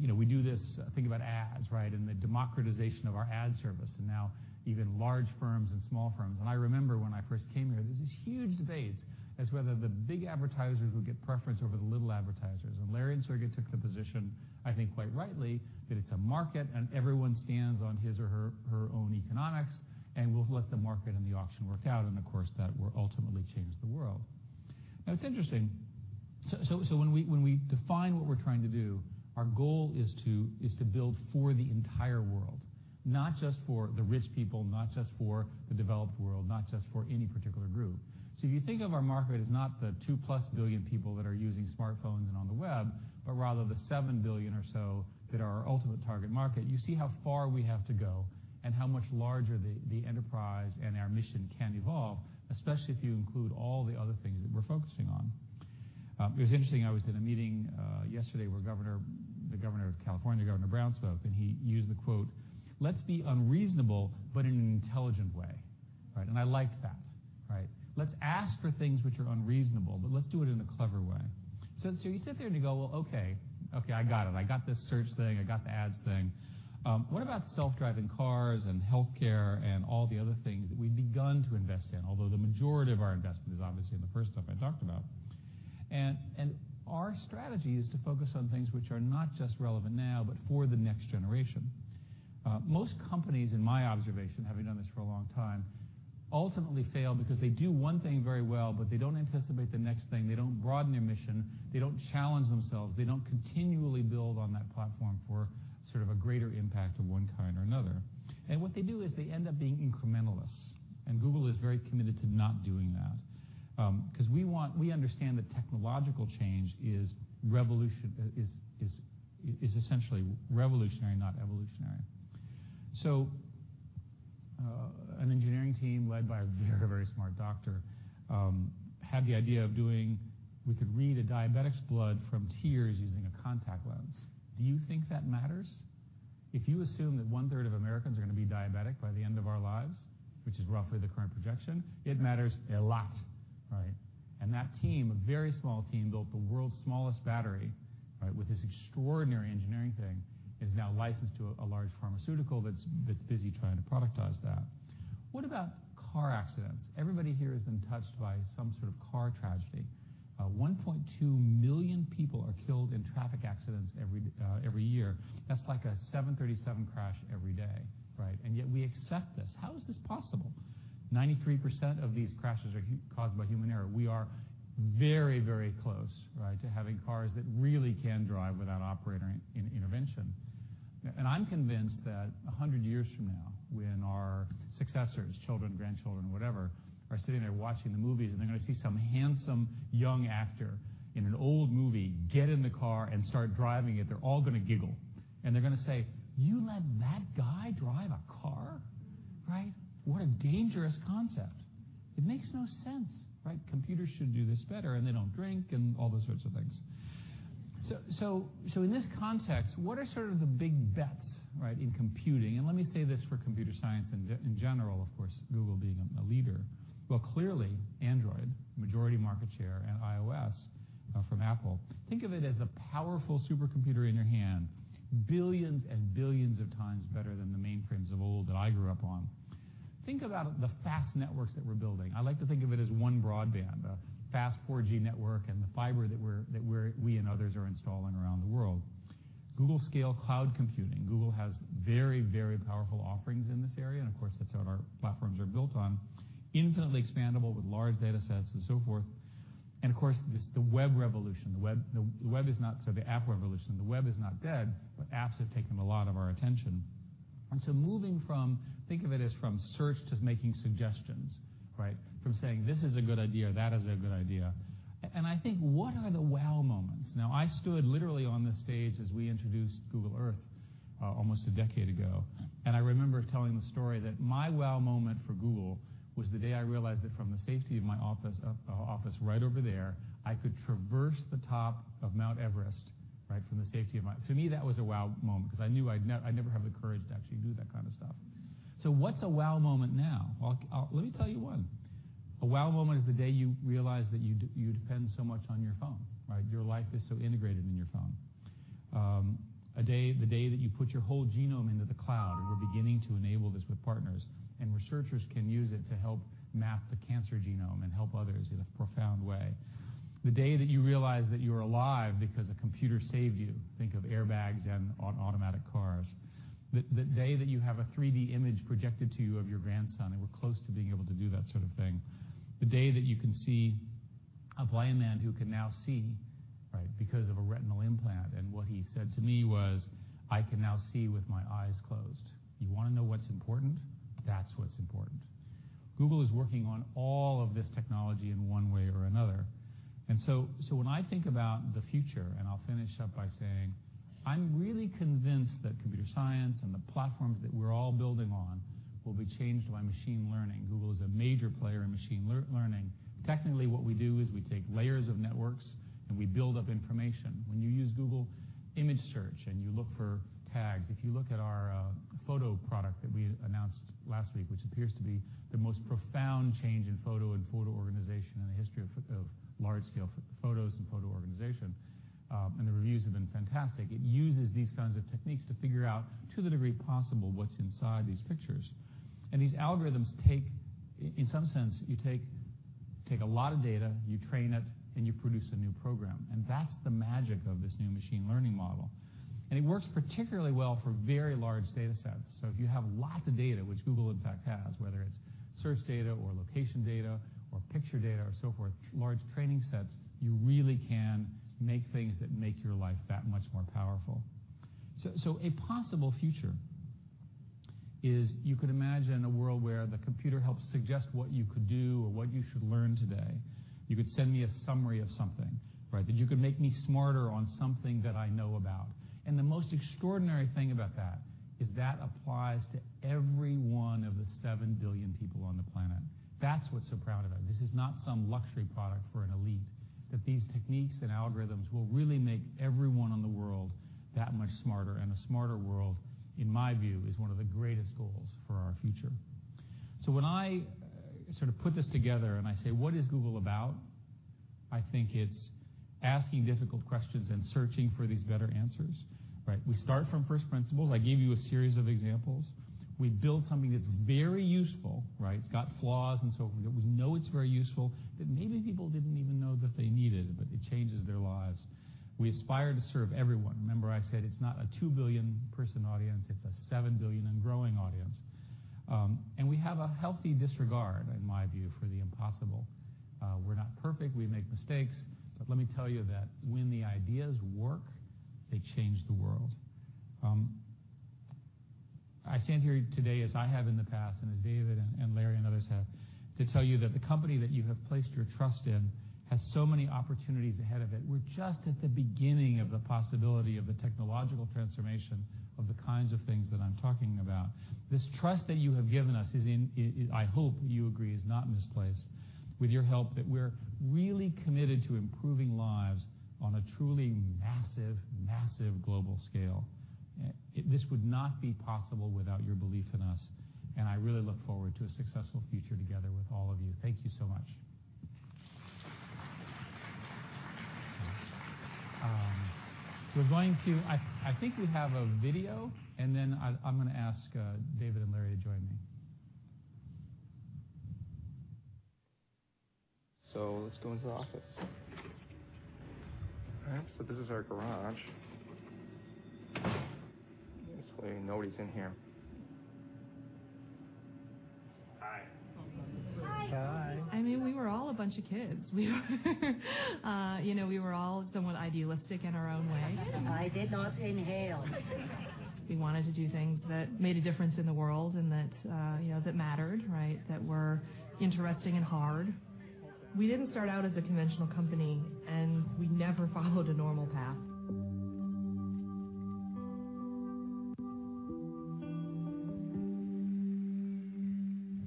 You know, we do this, think about ads, right, and the democratization of our ad service, and now even large firms and small firms. I remember when I first came here, there's these huge debates as to whether the big advertisers would get preference over the little advertisers. Larry and Sergey took the position, I think quite rightly, that it's a market, and everyone stands on his or her, her own economics, and we'll let the market and the auction work out. And of course, that will ultimately change the world. Now, it's interesting. So when we define what we're trying to do, our goal is to build for the entire world, not just for the rich people, not just for the developed world, not just for any particular group. So if you think of our market as not the two plus billion people that are using smartphones and on the web, but rather the seven billion or so that are our ultimate target market, you see how far we have to go and how much larger the enterprise and our mission can evolve, especially if you include all the other things that we're focusing on. It was interesting. I was in a meeting yesterday where the Governor of California, Governor Brown, spoke, and he used the quote, "Let's be unreasonable but in an intelligent way," right? And I liked that, right? Let's ask for things which are unreasonable, but let's do it in a clever way. You sit there and you go, "Well, okay. I got it. I got this search thing. I got the ads thing." What about self-driving cars and healthcare and all the other things that we've begun to invest in, although the majority of our investment is obviously in the first stuff I talked about? And our strategy is to focus on things which are not just relevant now but for the next generation. Most companies, in my observation, having done this for a long time, ultimately fail because they do one thing very well, but they don't anticipate the next thing. They don't broaden their mission. They don't challenge themselves. They don't continually build on that platform for sort of a greater impact of one kind or another. And what they do is they end up being incrementalists. And Google is very committed to not doing that, 'cause we understand that technological change is revolutionary, essentially revolutionary, not evolutionary. An engineering team led by a very, very smart doctor had the idea of doing we could read a diabetic's blood from tears using a contact lens. Do you think that matters? If you assume that one-third of Americans are gonna be diabetic by the end of our lives, which is roughly the current projection, it matters a lot, right? And that team, a very small team, built the world's smallest battery, right, with this extraordinary engineering thing, is now licensed to a large pharmaceutical that's busy trying to productize that. What about car accidents? Everybody here has been touched by some sort of car tragedy. 1.2 million people are killed in traffic accidents every year. That's like a 737 crash every day, right? And yet we accept this. How is this possible? 93% of these crashes are caused by human error. We are very, very close, right, to having cars that really can drive without operator intervention. And I'm convinced that 100 years from now, when our successors, children, grandchildren, whatever, are sitting there watching the movies, and they're gonna see some handsome young actor in an old movie get in the car and start driving it, they're all gonna giggle. And they're gonna say, "You let that guy drive a car? Right? What a dangerous concept. It makes no sense, right? Computers should do this better, and they don't drink," and all those sorts of things. So, so, so in this context, what are sort of the big bets, right, in computing? And let me say this for computer science in general, of course, Google being a leader. Well, clearly, Android, majority market share, and iOS, from Apple. Think of it as the powerful supercomputer in your hand, billions and billions of times better than the mainframes of old that I grew up on. Think about the fast networks that we're building. I like to think of it as one broadband, a fast 4G network and the fiber that we're and others are installing around the world. Google-scale cloud computing. Google has very, very powerful offerings in this area, and of course, that's what our platforms are built on, infinitely expandable with large data sets and so forth. And of course, the web revolution. The web is not so the app revolution. The web is not dead, but apps have taken a lot of our attention. And so moving from think of it as from search to making suggestions, right, from saying, "This is a good idea. That is a good idea." And I think, what are the wow moments? Now, I stood literally on the stage as we introduced Google Earth, almost a decade ago, and I remember telling the story that my wow moment for Google was the day I realized that from the safety of my office right over there, I could traverse the top of Mount Everest, right? To me, that was a wow moment 'cause I knew I'd never have the courage to actually do that kind of stuff. So what's a wow moment now? Well, I'll let me tell you one. A wow moment is the day you realize that you depend so much on your phone, right? Your life is so integrated in your phone. A day, the day that you put your whole genome into the cloud, and we're beginning to enable this with partners, and researchers can use it to help map the cancer genome and help others in a profound way. The day that you realize that you're alive because a computer saved you. Think of airbags and automatic cars. The day that you have a 3D image projected to you of your grandson. And we're close to being able to do that sort of thing. The day that you can see a blind man who can now see, right, because of a retinal implant. And what he said to me was, "I can now see with my eyes closed." You wanna know what's important? That's what's important. Google is working on all of this technology in one way or another. And so when I think about the future, and I'll finish up by saying, I'm really convinced that computer science and the platforms that we're all building on will be changed by machine learning. Google is a major player in machine learning. Technically, what we do is we take layers of networks, and we build up information. When you use Google Image Search and you look for tags, if you look at our photo product that we announced last week, which appears to be the most profound change in photo and photo organization in the history of large-scale photos and photo organization, and the reviews have been fantastic, it uses these kinds of techniques to figure out, to the degree possible, what's inside these pictures. These algorithms take in some sense you take a lot of data, you train it, and you produce a new program. That's the magic of this new machine learning model. It works particularly well for very large data sets. If you have lots of data, which Google in fact has, whether it's search data or location data or picture data or so forth, large training sets, you really can make things that make your life that much more powerful. A possible future is you could imagine a world where the computer helps suggest what you could do or what you should learn today. You could send me a summary of something, right, that you could make me smarter on something that I know about. The most extraordinary thing about that is that applies to every one of the seven billion people on the planet. That's what's so proud about. This is not some luxury product for an elite, that these techniques and algorithms will really make everyone on the world that much smarter. A smarter world, in my view, is one of the greatest goals for our future. So when I, sort of put this together and I say, "What is Google about?" I think it's asking difficult questions and searching for these better answers, right? We start from first principles. I gave you a series of examples. We build something that's very useful, right? It's got flaws and so forth. We know it's very useful, but maybe people didn't even know that they needed it, but it changes their lives. We aspire to serve everyone. Remember I said it's not a two billion person audience. It's a seven billion and growing audience, and we have a healthy disregard, in my view, for the impossible. We're not perfect. We make mistakes. But let me tell you that when the ideas work, they change the world. I stand here today as I have in the past and as David and Larry and others have to tell you that the company that you have placed your trust in has so many opportunities ahead of it. We're just at the beginning of the possibility of the technological transformation of the kinds of things that I'm talking about. This trust that you have given us, I hope you agree, is not misplaced. With your help, we're really committed to improving lives on a truly massive, massive global scale. This would not be possible without your belief in us. I really look forward to a successful future together with all of you. Thank you so much. We're going to, I think we have a video, and then I'm gonna ask David and Larry to join me. So let's go into the office. All right. So this is our garage. Basically, nobody's in here. Hi. Hi. Hi. I mean, we were all a bunch of kids. We were, you know, we were all somewhat idealistic in our own way. I did not inhale. We wanted to do things that made a difference in the world and that, you know, that mattered, right, that were interesting and hard. We didn't start out as a conventional company, and we never followed a normal path.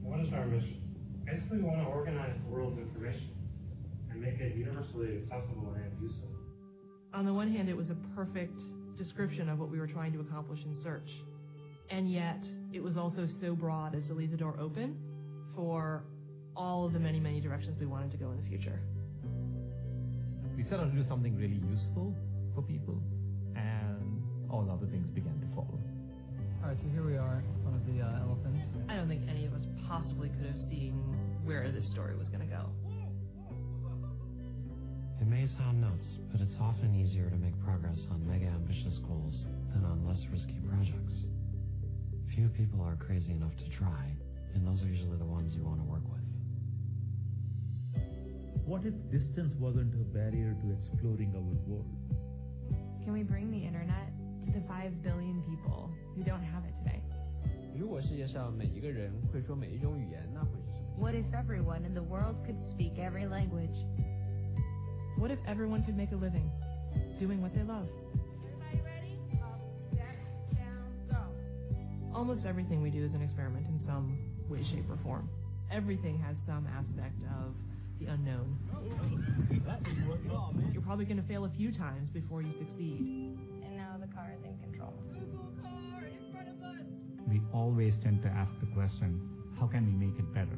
What is our mission? Basically, we wanna organize the world's information and make it universally accessible and useful. On the one hand, it was a perfect description of what we were trying to accomplish in search, and yet, it was also so broad as to leave the door open for all of the many, many directions we wanted to go in the future. We set out to do something really useful for people, and all the other things began to fall. All right. So here we are, one of the elephants. I don't think any of us possibly could have seen where this story was gonna go. It may sound nuts, but it's often easier to make progress on mega-ambitious goals than on less risky projects. Few people are crazy enough to try, and those are usually the ones you wanna work with. What if distance wasn't a barrier to exploring our world? Can we bring the internet to the five billion people who don't have it today? 如果世界上每一个人会说每一种语言，那会是什么情况？ What if everyone in the world could speak every language? What if everyone could make a living doing what they love? Everybody ready? Down, down, go. Almost everything we do is an experiment in some way, shape, or form. Everything has some aspect of the unknown. Oh, that is working on me. You're probably gonna fail a few times before you succeed. Now the car is in control. Google Car in front of us. We always tend to ask the question, "How can we make it better?"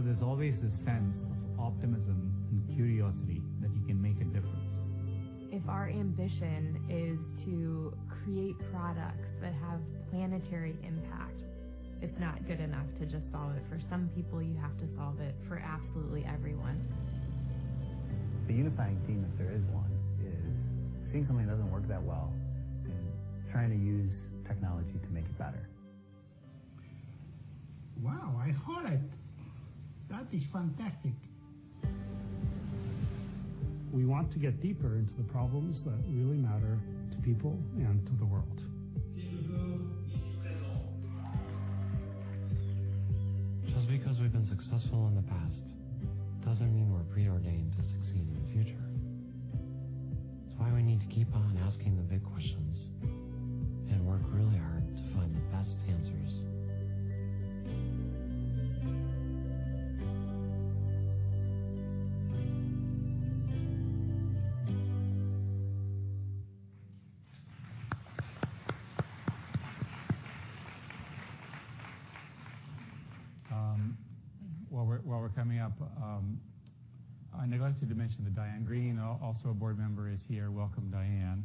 So there's always this sense of optimism and curiosity that you can make a difference. If our ambition is to create products that have planetary impact, it's not good enough to just solve it. For some people, you have to solve it for absolutely everyone. The unifying theme, if there is one, is seeing something that doesn't work that well and trying to use technology to make it better. Wow. I heard it. That is fantastic. We want to get deeper into the problems that really matter to people and to the world. Just because we've been successful in the past doesn't mean we're preordained to succeed in the future. It's why we need to keep on asking the big questions and work really hard to find the best answers. While we're coming up, I neglected to mention that Diane Greene, also a board member, is here. Welcome, Diane.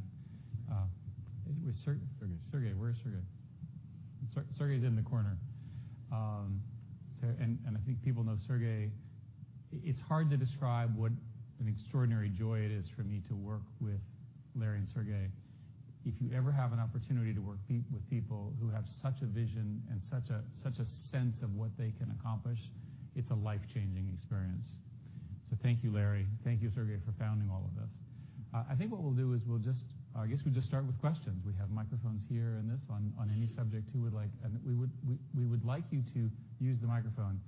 With Sergey. Where is Sergey? Sergey's in the corner. And I think people know Sergey. It's hard to describe what an extraordinary joy it is for me to work with Larry and Sergey. If you ever have an opportunity to work with people who have such a vision and such a sense of what they can accomplish, it's a life-changing experience. So thank you, Larry. Thank you, Sergey, for founding all of this. I think what we'll do is we'll just, I guess, start with questions. We have microphones here, and they're on any subject you would like, and we would like you to use the microphone.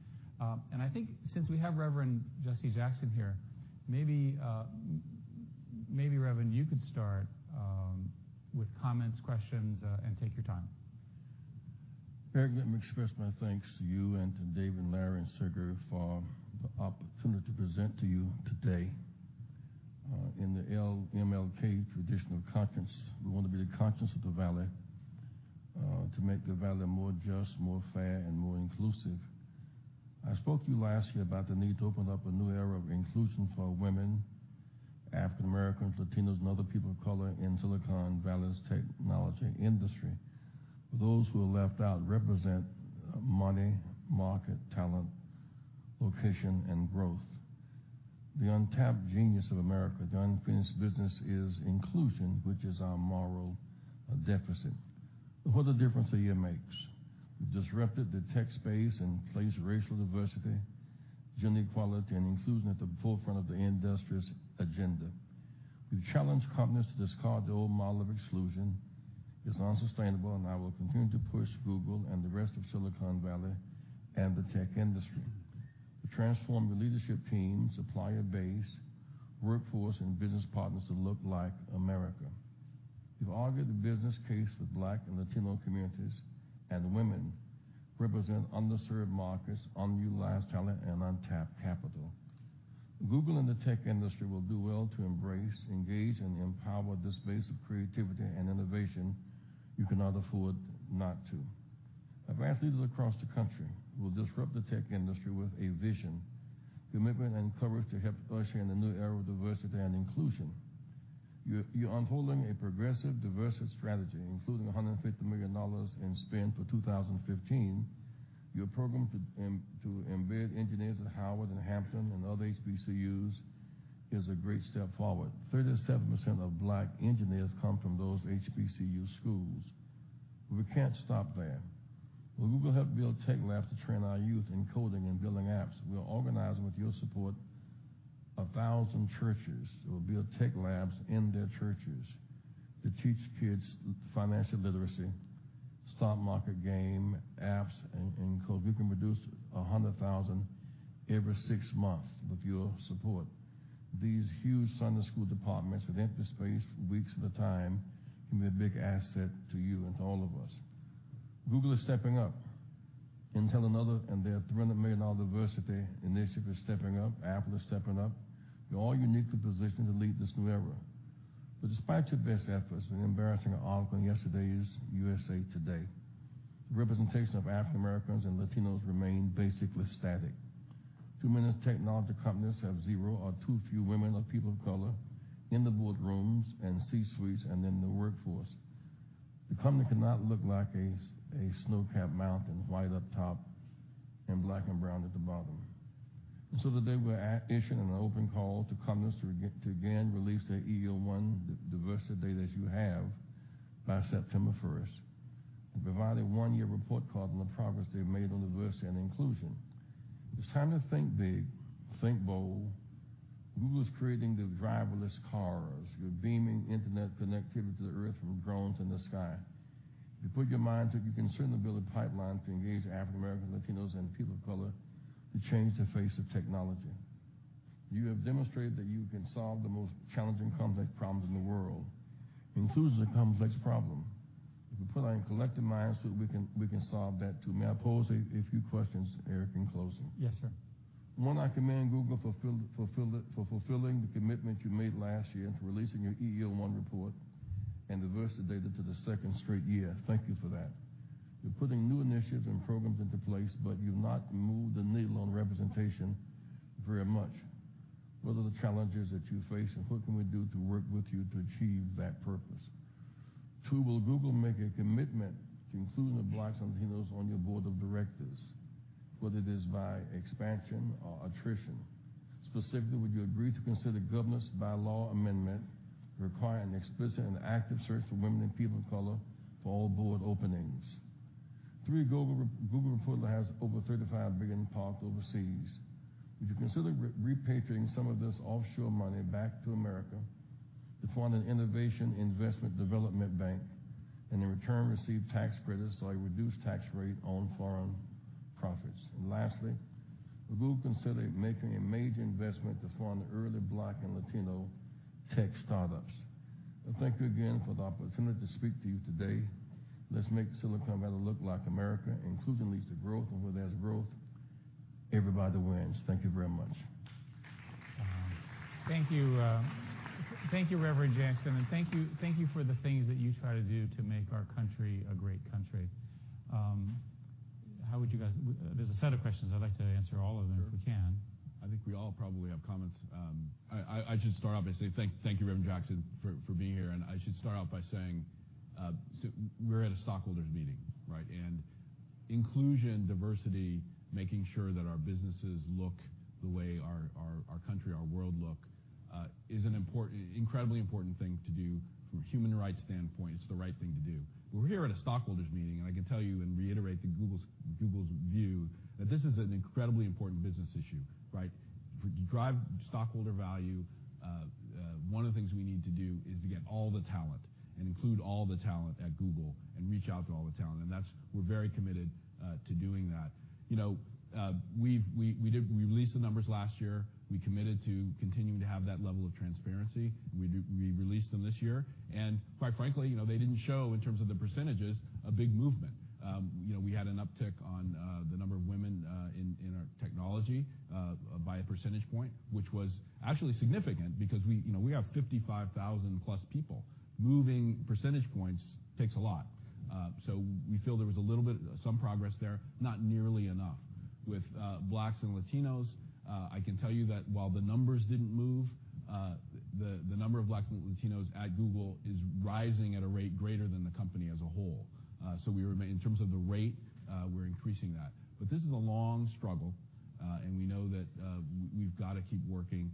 I think since we have Reverend Jesse Jackson here, maybe Reverend, you could start with comments, questions, and take your time. Very good. I'm gonna express my thanks to you and to David and Larry and Sergey for the opportunity to present to you today, in the annual traditional conference. We wanna be the conscience of the valley, to make the valley more just, more fair, and more inclusive. I spoke to you last year about the need to open up a new era of inclusion for women, African Americans, Latinos, and other people of color in Silicon Valley's technology industry. For those who are left out represent money, market, talent, location, and growth. The untapped genius of America, the unfinished business, is inclusion, which is our moral deficit. Look what a difference a year makes. We've disrupted the tech space and placed racial diversity, gender equality, and inclusion at the forefront of the industries' agenda. We've challenged companies to discard the old model of exclusion. It's unsustainable, and I will continue to push Google and the rest of Silicon Valley and the tech industry to transform the leadership teams, supplier base, workforce, and business partners to look like America. We've argued the business case for Black and Latino communities and women represents underserved markets, unutilized talent, and untapped capital. Google and the tech industry will do well to embrace, engage, and empower this space of creativity and innovation. You cannot afford not to. Advanced leaders across the country will disrupt the tech industry with a vision, commitment, and courage to help us in a new era of diversity and inclusion. You're unfolding a progressive, diverse strategy, including $150 million in spend for 2015. Your program to embed engineers at Harvard and Hampton and other HBCUs is a great step forward. 37% of Black engineers come from those HBCU schools. We can't stop there. When Google helped build tech labs to train our youth in coding and building apps, we'll organize, with your support, 1,000 churches that will build tech labs in their churches to teach kids financial literacy, stock market game, apps, and code. We can produce 100,000 every six months with your support. These huge Sunday school departments that empty space for weeks at a time can be a big asset to you and to all of us. Google is stepping up. Intel and others and their $300 million diversity initiative is stepping up. Apple is stepping up. You're all uniquely positioned to lead this new era. But despite your best efforts, an embarrassing outcome yesterday is USA Today. The representation of African Americans and Latinos remain basically static. Too many technology companies have zero or too few women or people of color in the boardrooms and C-suites and in the workforce. The company cannot look like as a snow-capped mountain white up top and black and brown at the bottom, and so today, we're issuing an open call to companies to again release their EEO-1, the diversity data that you have, by September 1st and provide a one-year report card on the progress they've made on diversity and inclusion. It's time to think big, think bold. Google is creating the driverless cars. You're beaming internet connectivity to the earth from drones in the sky. If you put your mind to it, you can certainly build a pipeline to engage African Americans, Latinos, and people of color to change the face of technology. You have demonstrated that you can solve the most challenging complex problems in the world, including the complex problem of putting our collective minds so that we can solve that too. May I pose a few questions, Eric, in closing? Yes, sir. I more than commend Google for fulfilling the commitment you made last year in releasing your EEO-1 report and diversity data for the second straight year. Thank you for that. You're putting new initiatives and programs into place, but you've not moved the needle on representation very much. What are the challenges that you face, and what can we do to work with you to achieve that purpose? Two, will Google make a commitment to including the Blacks and Latinos on your board of directors, whether it is by expansion or attrition? Specifically, would you agree to consider governance by-law amendment requiring explicit and active search for women and people of color for all board openings? Three, Google reports has over $35 billion parked overseas. Would you consider repatriating some of this offshore money back to America to fund an innovation investment development bank and in return receive tax credits or a reduced tax rate on foreign profits, and lastly, will Google consider making a major investment to fund early Black and Latino tech startups? Well, thank you again for the opportunity to speak to you today. Let's make Silicon Valley look like America, including leads to growth, and where there's growth, everybody wins. Thank you very much. Thank you, thank you, Reverend Jackson, and thank you, thank you, for the things that you try to do to make our country a great country. How would you guys? There's a set of questions. I'd like to answer all of them if we can. Sure. I think we all probably have comments. I should start off by saying thank you, Reverend Jackson, for being here. And I should start off by saying, so we're at a stockholders' meeting, right? And inclusion, diversity, making sure that our businesses look the way our country, our world look, is an important incredibly important thing to do from a human rights standpoint. It's the right thing to do. We're here at a stockholders' meeting, and I can tell you and reiterate that Google's view that this is an incredibly important business issue, right? For to drive stockholder value, one of the things we need to do is to get all the talent and include all the talent at Google and reach out to all the talent. And that's we're very committed to doing that. You know, we've, we did release the numbers last year. We committed to continuing to have that level of transparency. We did release them this year. And quite frankly, you know, they didn't show in terms of the percentages a big movement. You know, we had an uptick on the number of women in our technology by a percentage point, which was actually significant because we, you know, we have 55,000-plus people. Moving percentage points takes a lot. So we feel there was a little bit some progress there, not nearly enough. With Blacks and Latinos, I can tell you that while the numbers didn't move, the number of Blacks and Latinos at Google is rising at a rate greater than the company as a whole. So we remain in terms of the rate, we're increasing that. But this is a long struggle, and we know that. We've gotta keep working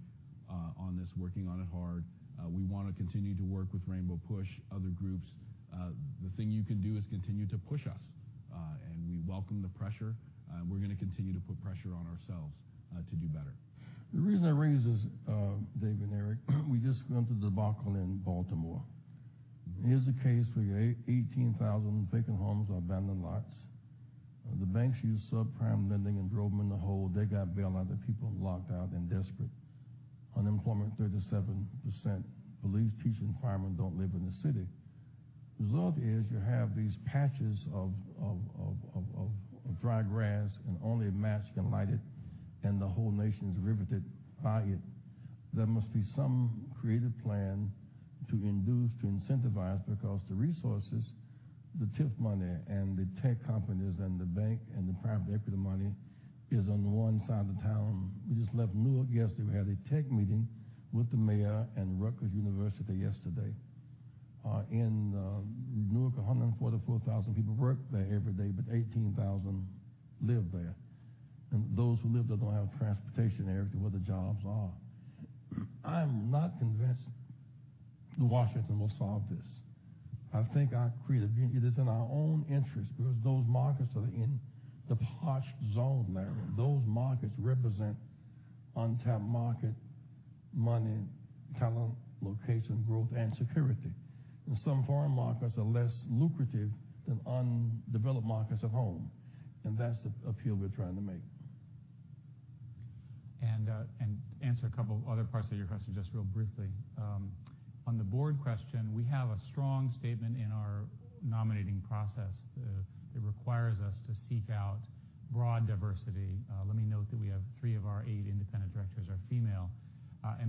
on this, working on it hard. We wanna continue to work with Rainbow PUSH, other groups. The thing you can do is continue to push us, and we welcome the pressure. We're gonna continue to put pressure on ourselves, to do better. The reason I bring this is, Dave and Eric, we just went to the balcony in Baltimore. Here's a case with 18,000 vacant homes or abandoned lots. The banks used subprime lending and drove them in a hole. They got bailouted. People locked out and desperate. Unemployment 37%. Police teaching firemen don't live in the city. Result is you have these patches of dry grass and only a match can light it, and the whole nation's riveted by it. There must be some creative plan to induce, to incentivize, because the resources, the TIF money and the tech companies and the bank and the private equity money is on one side of town. We just left Newark yesterday. We had a tech meeting with the mayor and Rutgers University yesterday. In Newark, 144,000 people work there every day, but 18,000 live there. Those who live there don't have transportation, Eric, to where the jobs are. I'm not convinced Washington will solve this. I think our creativity is in our own interest because those markets are in the parched zone, Larry. Those markets represent untapped market, money, talent, location, growth, and security. And some foreign markets are less lucrative than undeveloped markets at home. And that's the appeal we're trying to make. And answer a couple other parts of your question just real briefly. On the board question, we have a strong statement in our nominating process. It requires us to seek out broad diversity. Let me note that we have three of our eight independent directors are female.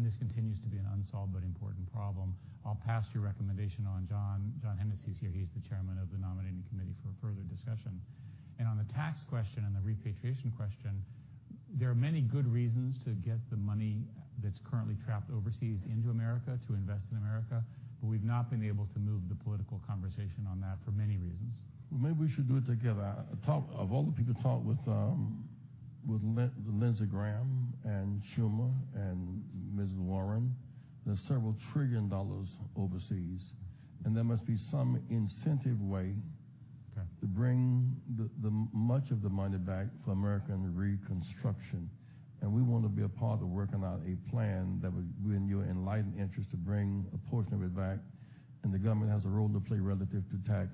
This continues to be an unsolved but important problem. I'll pass your recommendation on. John Hennessy's here. He's the chairman of the nominating committee for further discussion. On the tax question and the repatriation question, there are many good reasons to get the money that's currently trapped overseas into America to invest in America, but we've not been able to move the political conversation on that for many reasons. Maybe we should do it together. I talked to all the people I talked with, with Lindsey Graham and Schumer and Mrs. Warren. There's several trillion dollars overseas, and there must be some incentive way. Okay. To bring the much of the money back for American reconstruction. And we wanna be a part of working out a plan that would be in your enlightened interest to bring a portion of it back. And the government has a role to play relative to tax,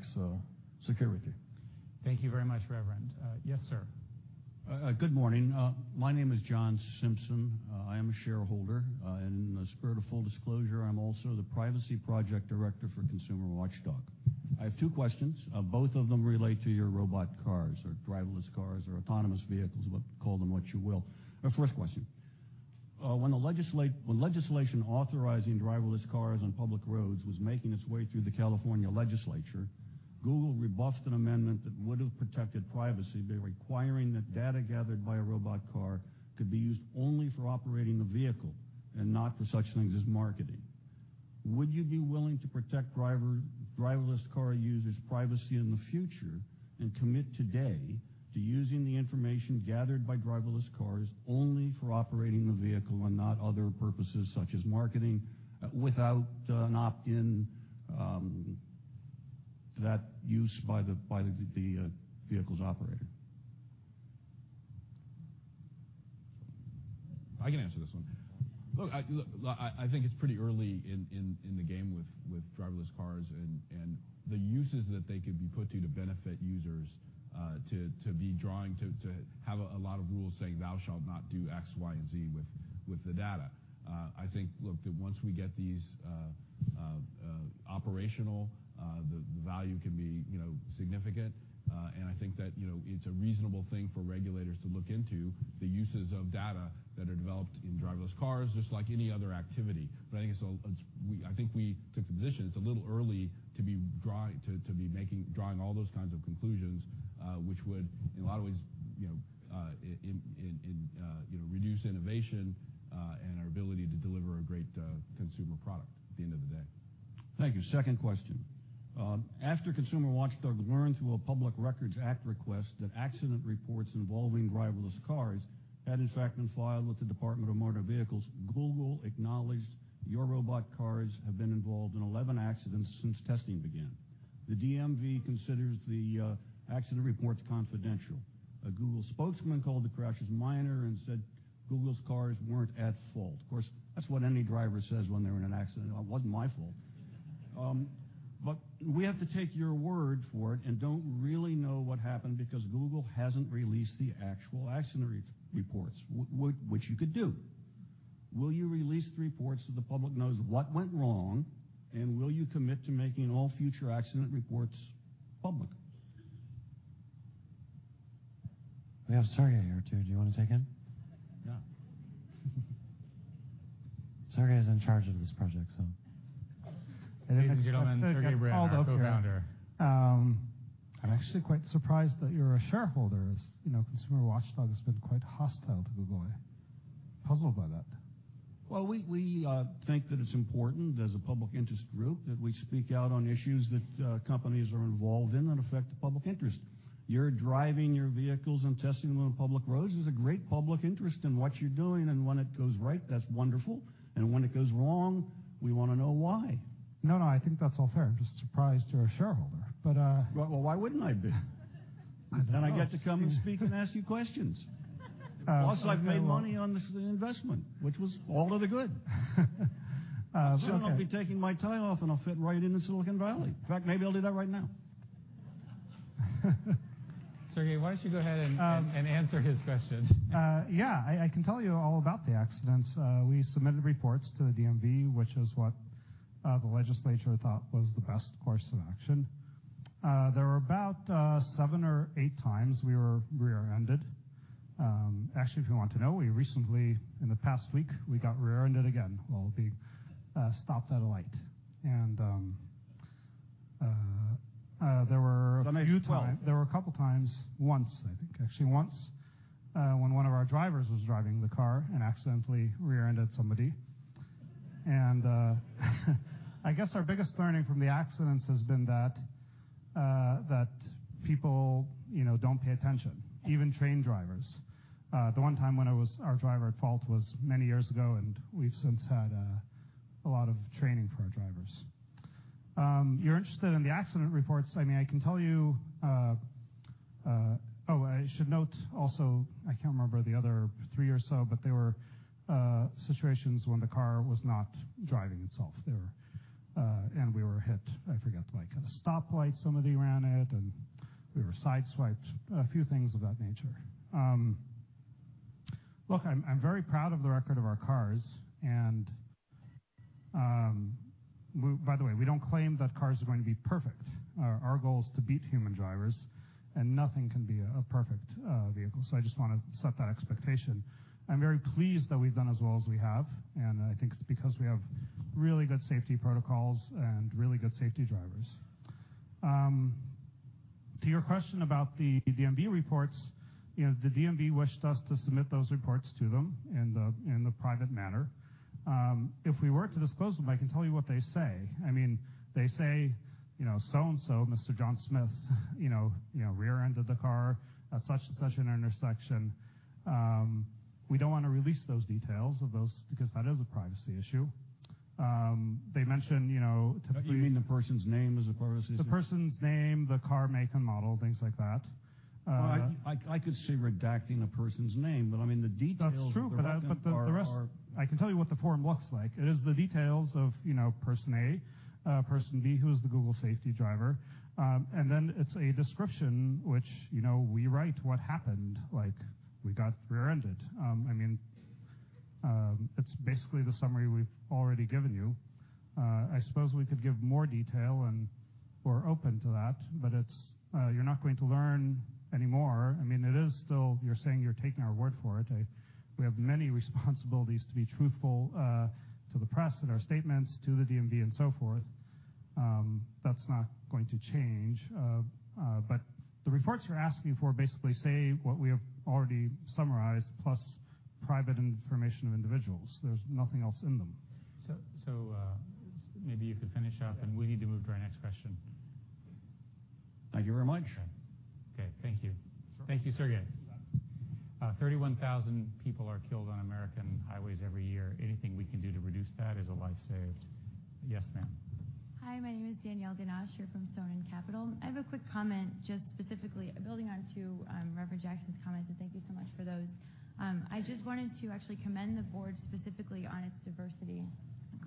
security. Thank you very much, Reverend. Yes, sir. Good morning. My name is John Simpson. I am a shareholder. And in the spirit of full disclosure, I'm also the privacy project director for Consumer Watchdog. I have two questions. Both of them relate to your robot cars or driverless cars or autonomous vehicles. What call them what you will. First question. When legislation authorizing driverless cars on public roads was making its way through the California legislature, Google rebuffed an amendment that would've protected privacy by requiring that data gathered by a robot car could be used only for operating the vehicle and not for such things as marketing. Would you be willing to protect driverless car users' privacy in the future and commit today to using the information gathered by driverless cars only for operating the vehicle and not other purposes such as marketing, without an opt-in, that use by the vehicle's operator? I can answer this one. Look, I think it's pretty early in the game with driverless cars and the uses that they could be put to to benefit users to be drawing up a lot of rules saying, "Thou shalt not do X, Y, and Z with the data." I think that once we get these operational, the value can be, you know, significant, and I think that, you know, it's a reasonable thing for regulators to look into the uses of data that are developed in driverless cars just like any other activity. But I think we took the position it's a little early to be drawing, to be making all those kinds of conclusions, which would, in a lot of ways, you know, reduce innovation, and our ability to deliver a great consumer product at the end of the day. Thank you. Second question. After Consumer Watchdog learned through a Public Records Act request that accident reports involving driverless cars had, in fact, been filed with the Department of Motor Vehicles, Google acknowledged your robot cars have been involved in 11 accidents since testing began. The DMV considers the accident reports confidential. A Google spokesman called the crashes minor and said Google's cars weren't at fault. Of course, that's what any driver says when they're in an accident. "It wasn't my fault." But we have to take your word for it and don't really know what happened because Google hasn't released the actual accident reports, which you could do. Will you release the reports so the public knows what went wrong, and will you commit to making all future accident reports public? We have Sergey here, too. Do you wanna take him? Yeah. Sergey is in charge of this project, so. Ladies and gentlemen, Sergey Brin, co-founder. I'm actually quite surprised that you're a shareholder as, you know, Consumer Watchdog has been quite hostile to Google. I'm puzzled by that. We think that it's important as a public interest group that we speak out on issues that companies are involved in that affect the public interest. You're driving your vehicles and testing them on public roads is a great public interest in what you're doing. And when it goes right, that's wonderful. And when it goes wrong, we wanna know why. No, no. I think that's all fair. I'm just surprised you're a shareholder. But, Well, well, why wouldn't I be. Then I get to come and speak and ask you questions. Also, I've made money on this investment, which was all of the good soon. Sure. I'll be taking my time off, and I'll fit right in in Silicon Valley. In fact, maybe I'll do that right now. Sergey, why don't you go ahead and answer his question? Yeah. I can tell you all about the accidents. We submitted reports to the DMV, which is what the legislature thought was the best course of action. There were about seven or eight times we were rear-ended. Actually, if you want to know, we recently in the past week, we got rear-ended again. Well, we stopped at a light. And there were a few times. There were a couple times, I think, actually once, when one of our drivers was driving the car and accidentally rear-ended somebody. I guess our biggest learning from the accidents has been that people, you know, don't pay attention, even trained drivers. The one time when it was our driver at fault was many years ago, and we've since had a lot of training for our drivers. If you're interested in the accident reports, I mean, I can tell you. Oh, I should note also I can't remember the other three or so, but there were situations when the car was not driving itself, and we were hit. I forget, like, at a stoplight, somebody ran it, and we were sideswiped, a few things of that nature. Look, I'm very proud of the record of our cars. We by the way, we don't claim that cars are going to be perfect. Our goal is to beat human drivers, and nothing can be a perfect vehicle. I just wanna set that expectation. I'm very pleased that we've done as well as we have, and I think it's because we have really good safety protocols and really good safety drivers. To your question about the DMV reports, you know, the DMV wished us to submit those reports to them in the private manner. If we were to disclose them, I can tell you what they say. I mean, they say, you know, "So-and-so, Mr. John Smith, rear-ended the car at such-and-such an intersection." We don't wanna release those details of those because that is a privacy issue. They mention, you know, to. What do you mean the person's name is a privacy issue? The person's name, the car make and model, things like that. I could see redacting a person's name, but I mean, the details of the car. That's true. But, the rest. Well, our. I can tell you what the form looks like. It is the details of, you know, person A, person B, who is the Google safety driver, and then it's a description, which, you know, we write what happened, like, "We got rear-ended." I mean, it's basically the summary we've already given you. I suppose we could give more detail and we're open to that, but it's, you're not going to learn anymore. I mean, it is still you're saying you're taking our word for it. We have many responsibilities to be truthful, to the press and our statements to the DMV and so forth. That's not going to change, but the reports you're asking for basically say what we have already summarized plus private information of individuals. There's nothing else in them. Maybe you could finish up, and we need to move to our next question. Thank you very much. Sure. Okay. Thank you, Sergey. 31,000 people are killed on American highways every year. Anything we can do to reduce that is a life saved. Yes, ma'am. Hi. My name is Danielle Ginach here from Sonen Capital. I have a quick comment just specifically building on to Reverend Jackson's comments, and thank you so much for those. I just wanted to actually commend the board specifically on its diversity.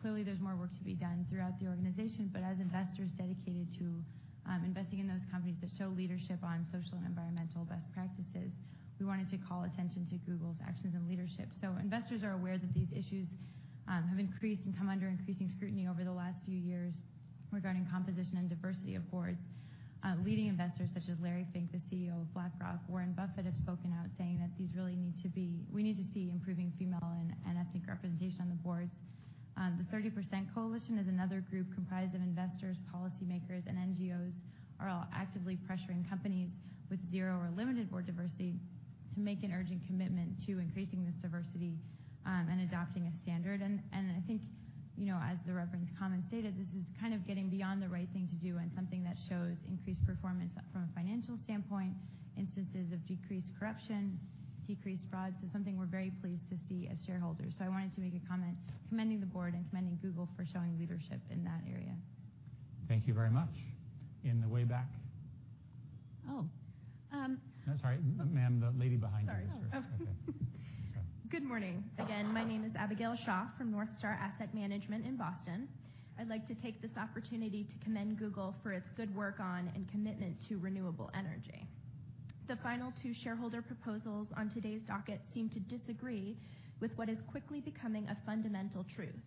Clearly, there's more work to be done throughout the organization, but as investors dedicated to investing in those companies that show leadership on social and environmental best practices, we wanted to call attention to Google's actions and leadership. So investors are aware that these issues have increased and come under increasing scrutiny over the last few years regarding composition and diversity of boards. Leading investors such as Larry Fink, the CEO of BlackRock, Warren Buffett have spoken out saying that these really need to be we need to see improving female and ethnic representation on the boards. The 30% Coalition is another group comprised of investors, policymakers, and NGOs are all actively pressuring companies with zero or limited board diversity to make an urgent commitment to increasing this diversity, and adopting a standard, and I think, you know, as the Reverend's comment stated, this is kind of getting beyond the right thing to do and something that shows increased performance from a financial standpoint, instances of decreased corruption, decreased fraud, so something we're very pleased to see as shareholders, so I wanted to make a comment commending the board and commending Google for showing leadership in that area. Thank you very much. In the way back? Oh. No, sorry. Ma'am, the lady behind you. Sorry. Okay. Okay. Good morning. Again, my name is Abigail Shaw from NorthStar Asset Management in Boston. I'd like to take this opportunity to commend Google for its good work on and commitment to renewable energy. The final two shareholder proposals on today's docket seem to disagree with what is quickly becoming a fundamental truth.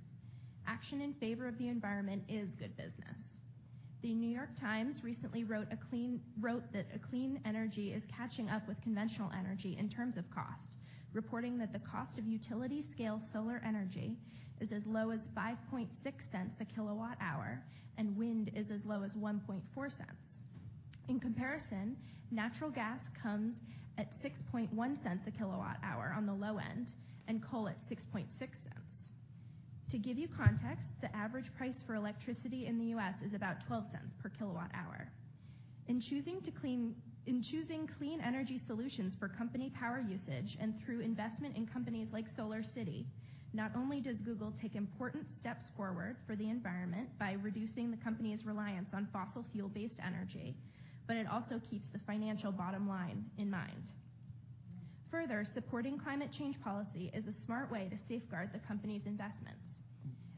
Action in favor of the environment is good business. The New York Times recently wrote that clean energy is catching up with conventional energy in terms of cost, reporting that the cost of utility-scale solar energy is as low as $0.056 a kilowatt-hour, and wind is as low as $0.014. In comparison, natural gas comes at $0.061 a kilowatt-hour on the low end and coal at $0.066. To give you context, the average price for electricity in the U.S. is about $0.12 per kilowatt-hour. In choosing clean energy solutions for company power usage and through investment in companies like SolarCity, not only does Google take important steps forward for the environment by reducing the company's reliance on fossil-fuel-based energy, but it also keeps the financial bottom line in mind. Further, supporting climate change policy is a smart way to safeguard the company's investments.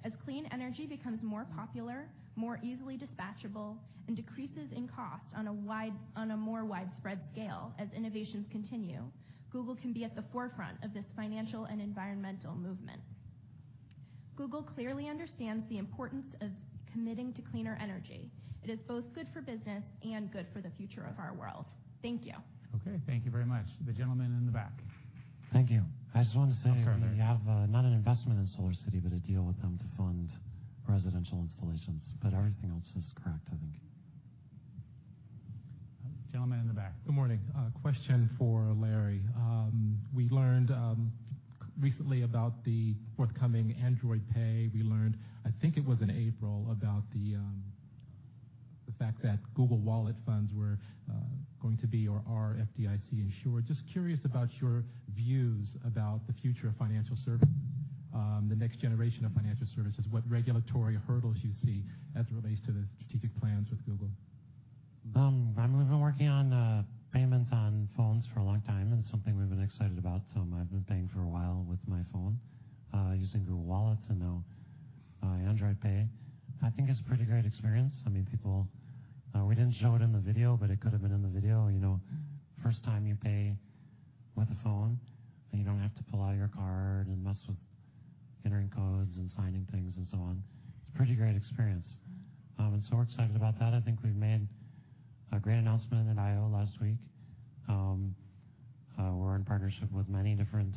As clean energy becomes more popular, more easily dispatchable, and decreases in cost on a more widespread scale as innovations continue, Google can be at the forefront of this financial and environmental movement. Google clearly understands the importance of committing to cleaner energy. It is both good for business and good for the future of our world. Thank you. Okay. Thank you very much. The gentleman in the back. Thank you. I just wanted to say. Oh, sir. That we have, not an investment in SolarCity, but a deal with them to fund residential installations. But everything else is correct, I think. Gentleman in the back. Good morning. Question for Larry. We learned recently about the forthcoming Android Pay. We learned, I think it was in April, about the fact that Google Wallet funds were going to be or are FDIC insured. Just curious about your views about the future of financial services, the next generation of financial services, what regulatory hurdles you see as it relates to the strategic plans with Google? I've been working on payments on phones for a long time. It's something we've been excited about. So I've been paying for a while with my phone, using Google Wallet and now Android Pay. I think it's a pretty great experience. I mean, people, we didn't show it in the video, but it could have been in the video. You know, first time you pay with a phone, and you don't have to pull out your card and mess with entering codes and signing things and so on. It's a pretty great experience. And so we're excited about that. I think we've made a great announcement in I/O last week. We're in partnership with many different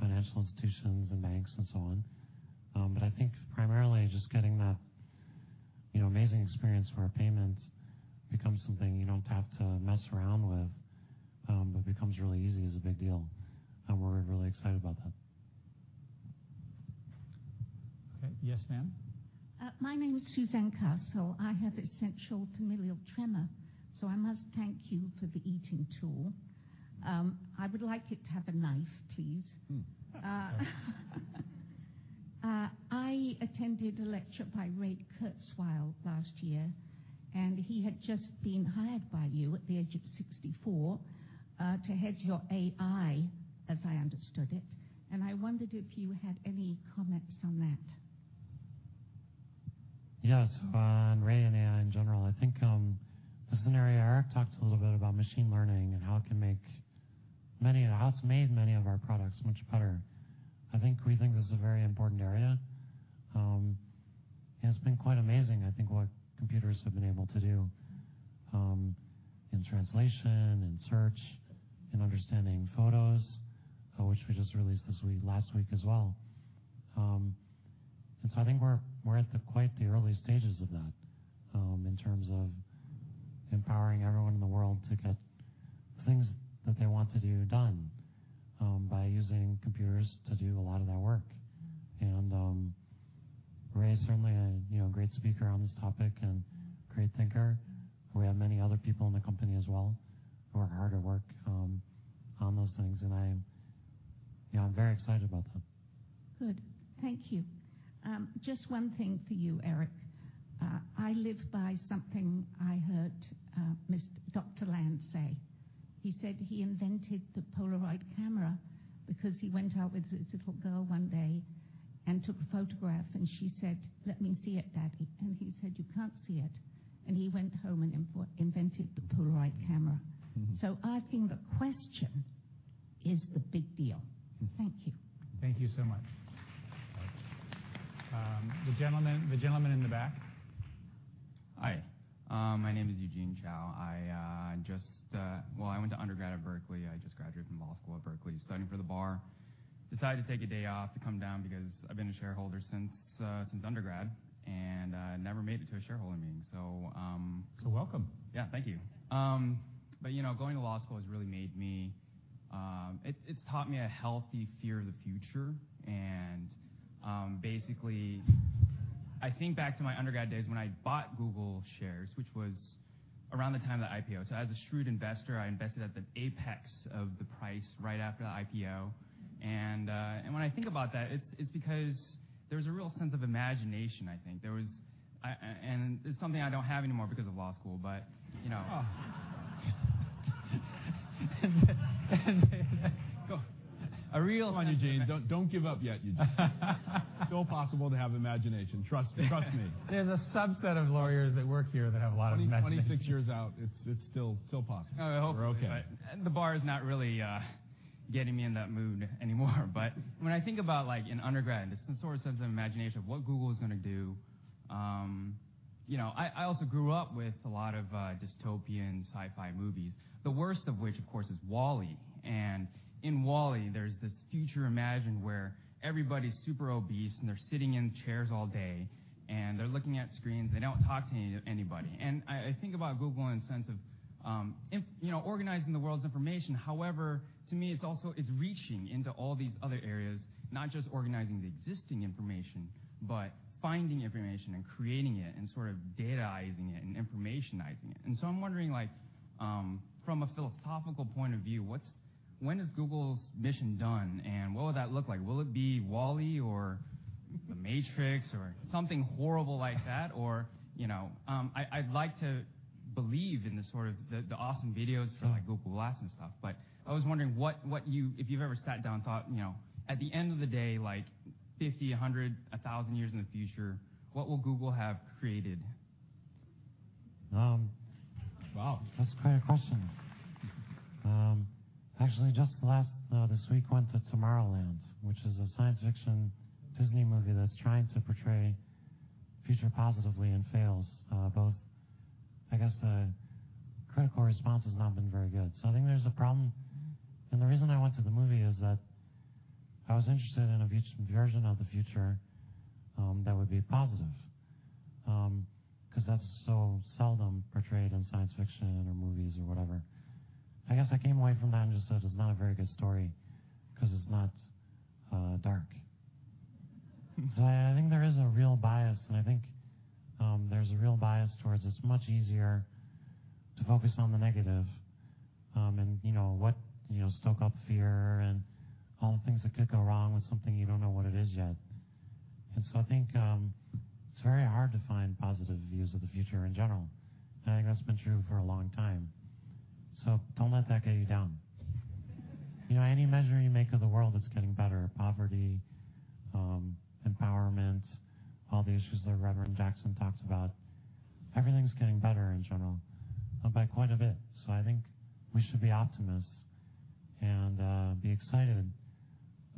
financial institutions and banks and so on. But I think primarily just getting that, you know, amazing experience where payments become something you don't have to mess around with, but becomes really easy is a big deal. We're really excited about that. Okay. Yes, ma'am. My name is Suzanne Castle. I have essential familial tremor, so I must thank you for the eating tool. I would like it to have a knife, please. I attended a lecture by Ray Kurzweil last year, and he had just been hired by you at the age of 64, to head your AI, as I understood it, and I wondered if you had any comments on that. Yeah. So on Ray and AI in general, I think this is an area Eric talked a little bit about machine learning and how it's made many of our products much better. I think we think this is a very important area, and it's been quite amazing, I think, what computers have been able to do, in translation, in search, in understanding photos, which we just released this week last week as well. So I think we're at quite the early stages of that, in terms of empowering everyone in the world to get things that they want to do done, by using computers to do a lot of that work. Ray is certainly a, you know, a great speaker on this topic and great thinker. We have many other people in the company as well who are hard at work on those things, and I'm, you know, I'm very excited about that. Good. Thank you. Just one thing for you, Eric. I live by something I heard Mr. Dr. Land say. He said he invented the Polaroid camera because he went out with his little girl one day and took a photograph, and she said, "Let me see it, Daddy." And he said, "You can't see it." And he went home and invented the Polaroid camera. Mm-hmm. Asking the question is the big deal. Mm-hmm. Thank you. Thank you so much. The gentleman in the back. Hi. My name is Eugene Cho. I just, well, I went to undergrad at Berkeley. I just graduated from law school at Berkeley, studying for the bar. Decided to take a day off to come down because I've been a shareholder since undergrad and never made it to a shareholder meeting. So, So welcome. Yeah. Thank you, but you know, going to law school has really made me. It's taught me a healthy fear of the future. And basically, I think back to my undergrad days when I bought Google shares, which was around the time of the IPO. So as a shrewd investor, I invested at the apex of the price right after the IPO. And when I think about that, it's because there was a real sense of imagination, I think. There was and it's something I don't have anymore because of law school, but you know. Go ahead. A real one, Eugene. Don't, don't give up yet, Eugene. It's still possible to have imagination. Trust me. Trust me. There's a subset of lawyers that work here that have a lot of imagination. I mean, 26 years out, it's still possible. Oh, I hope so. We're okay. But the bar is not really getting me in that mood anymore. When I think about, like, in undergrad, there's some sort of sense of imagination of what Google is gonna do, you know. I also grew up with a lot of dystopian sci-fi movies, the worst of which, of course, is Wall-E. In Wall-E, there's this future imagined where everybody's super obese, and they're sitting in chairs all day, and they're looking at screens, and they don't talk to anybody. I think about Google in the sense of, I'm, you know, organizing the world's information. However, to me, it's also reaching into all these other areas, not just organizing the existing information, but finding information and creating it and sort of dataizing it and informationizing it. I'm wondering, like, from a philosophical point of view, what, when is Google's mission done, and what will that look like? Will it be Wall-E or The Matrix or something horrible like that? Or, you know, I, I'd like to believe in the sort of awesome videos from, like, Google Glass and stuff. But I was wondering what if you've ever sat down and thought, you know, at the end of the day, like, 50, 100, 1,000 years in the future, what will Google have created? Wow. That's quite a question. Actually, just last week, went to Tomorrowland, which is a science fiction Disney movie that's trying to portray the future positively and fails both. I guess the critical response has not been very good. So I think there's a problem, and the reason I went to the movie is that I was interested in a version of the future that would be positive, 'cause that's so seldom portrayed in science fiction or movies or whatever. I guess I came away from that and just said it's not a very good story 'cause it's not dark. So I think there is a real bias, and I think there's a real bias towards it's much easier to focus on the negative, and you know, stoke up fear and all the things that could go wrong with something you don't know what it is yet. And so I think it's very hard to find positive views of the future in general. And I think that's been true for a long time. So don't let that get you down. You know, any measure you make of the world, it's getting better. Poverty, empowerment, all the issues that Reverend Jackson talked about, everything's getting better in general, by quite a bit. So I think we should be optimists and be excited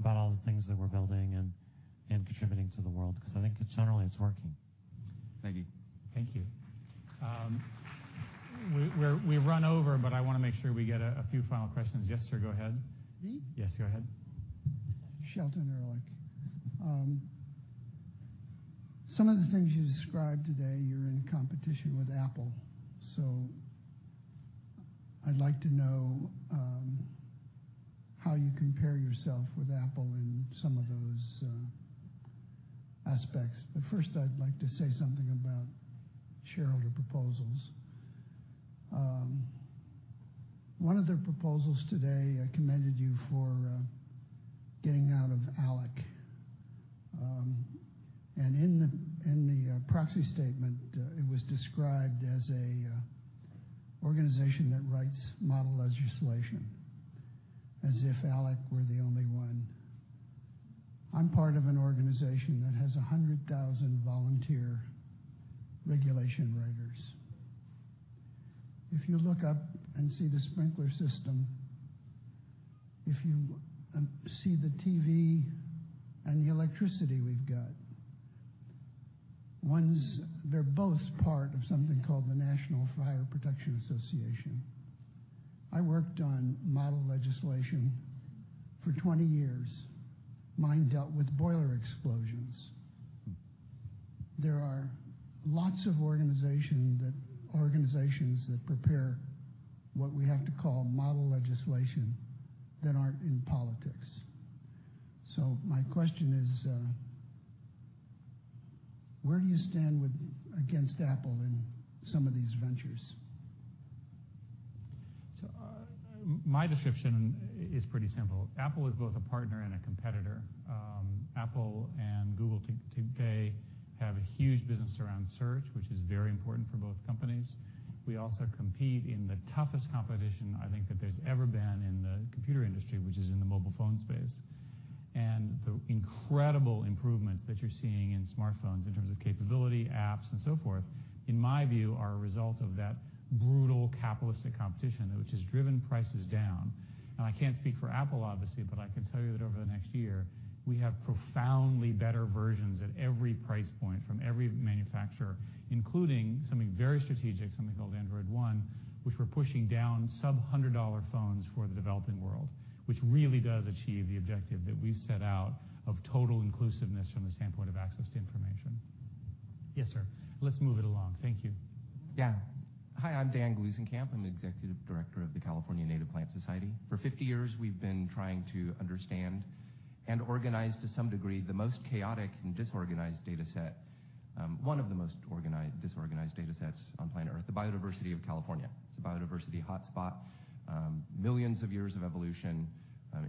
about all the things that we're building and contributing to the world 'cause I think generally it's working. Thank you. Thank you. We've run over, but I wanna make sure we get a few final questions. Yes, sir. Go ahead. Me? Yes. Go ahead. Shelton Ehrlich. Some of the things you described today, you're in competition with Apple. So I'd like to know how you compare yourself with Apple in some of those aspects. But first, I'd like to say something about shareholder proposals. One of the proposals today, I commended you for getting out of ALEC. And in the proxy statement, it was described as an organization that writes model legislation as if ALEC were the only one. I'm part of an organization that has 100,000 volunteer regulation writers. If you look up and see the sprinkler system, if you see the TV and the electricity we've got, one's, they're both part of something called the National Fire Protection Association. I worked on model legislation for 20 years. Mine dealt with boiler explosions. There are lots of organizations that prepare what we have to call model legislation that aren't in politics. So my question is, where do you stand with against Apple in some of these ventures? My description is pretty simple. Apple is both a partner and a competitor. Apple and Google today have a huge business around search, which is very important for both companies. We also compete in the toughest competition, I think, that there's ever been in the computer industry, which is in the mobile phone space. The incredible improvements that you're seeing in smartphones in terms of capability, apps, and so forth, in my view, are a result of that brutal capitalistic competition, which has driven prices down. I can't speak for Apple, obviously, but I can tell you that over the next year, we have profoundly better versions at every price point from every manufacturer, including something very strategic, something called Android One, which we're pushing down sub-$100 phones for the developing world, which really does achieve the objective that we've set out of total inclusiveness from the standpoint of access to information. Yes, sir. Let's move it along. Thank you. Yeah. Hi. I'm Dan Gluesenkamp. I'm the executive director of the California Native Plant Society. For 50 years, we've been trying to understand and organize, to some degree, the most chaotic and disorganized data set, one of the most organized disorganized data sets on planet Earth, the biodiversity of California. It's a biodiversity hotspot, millions of years of evolution,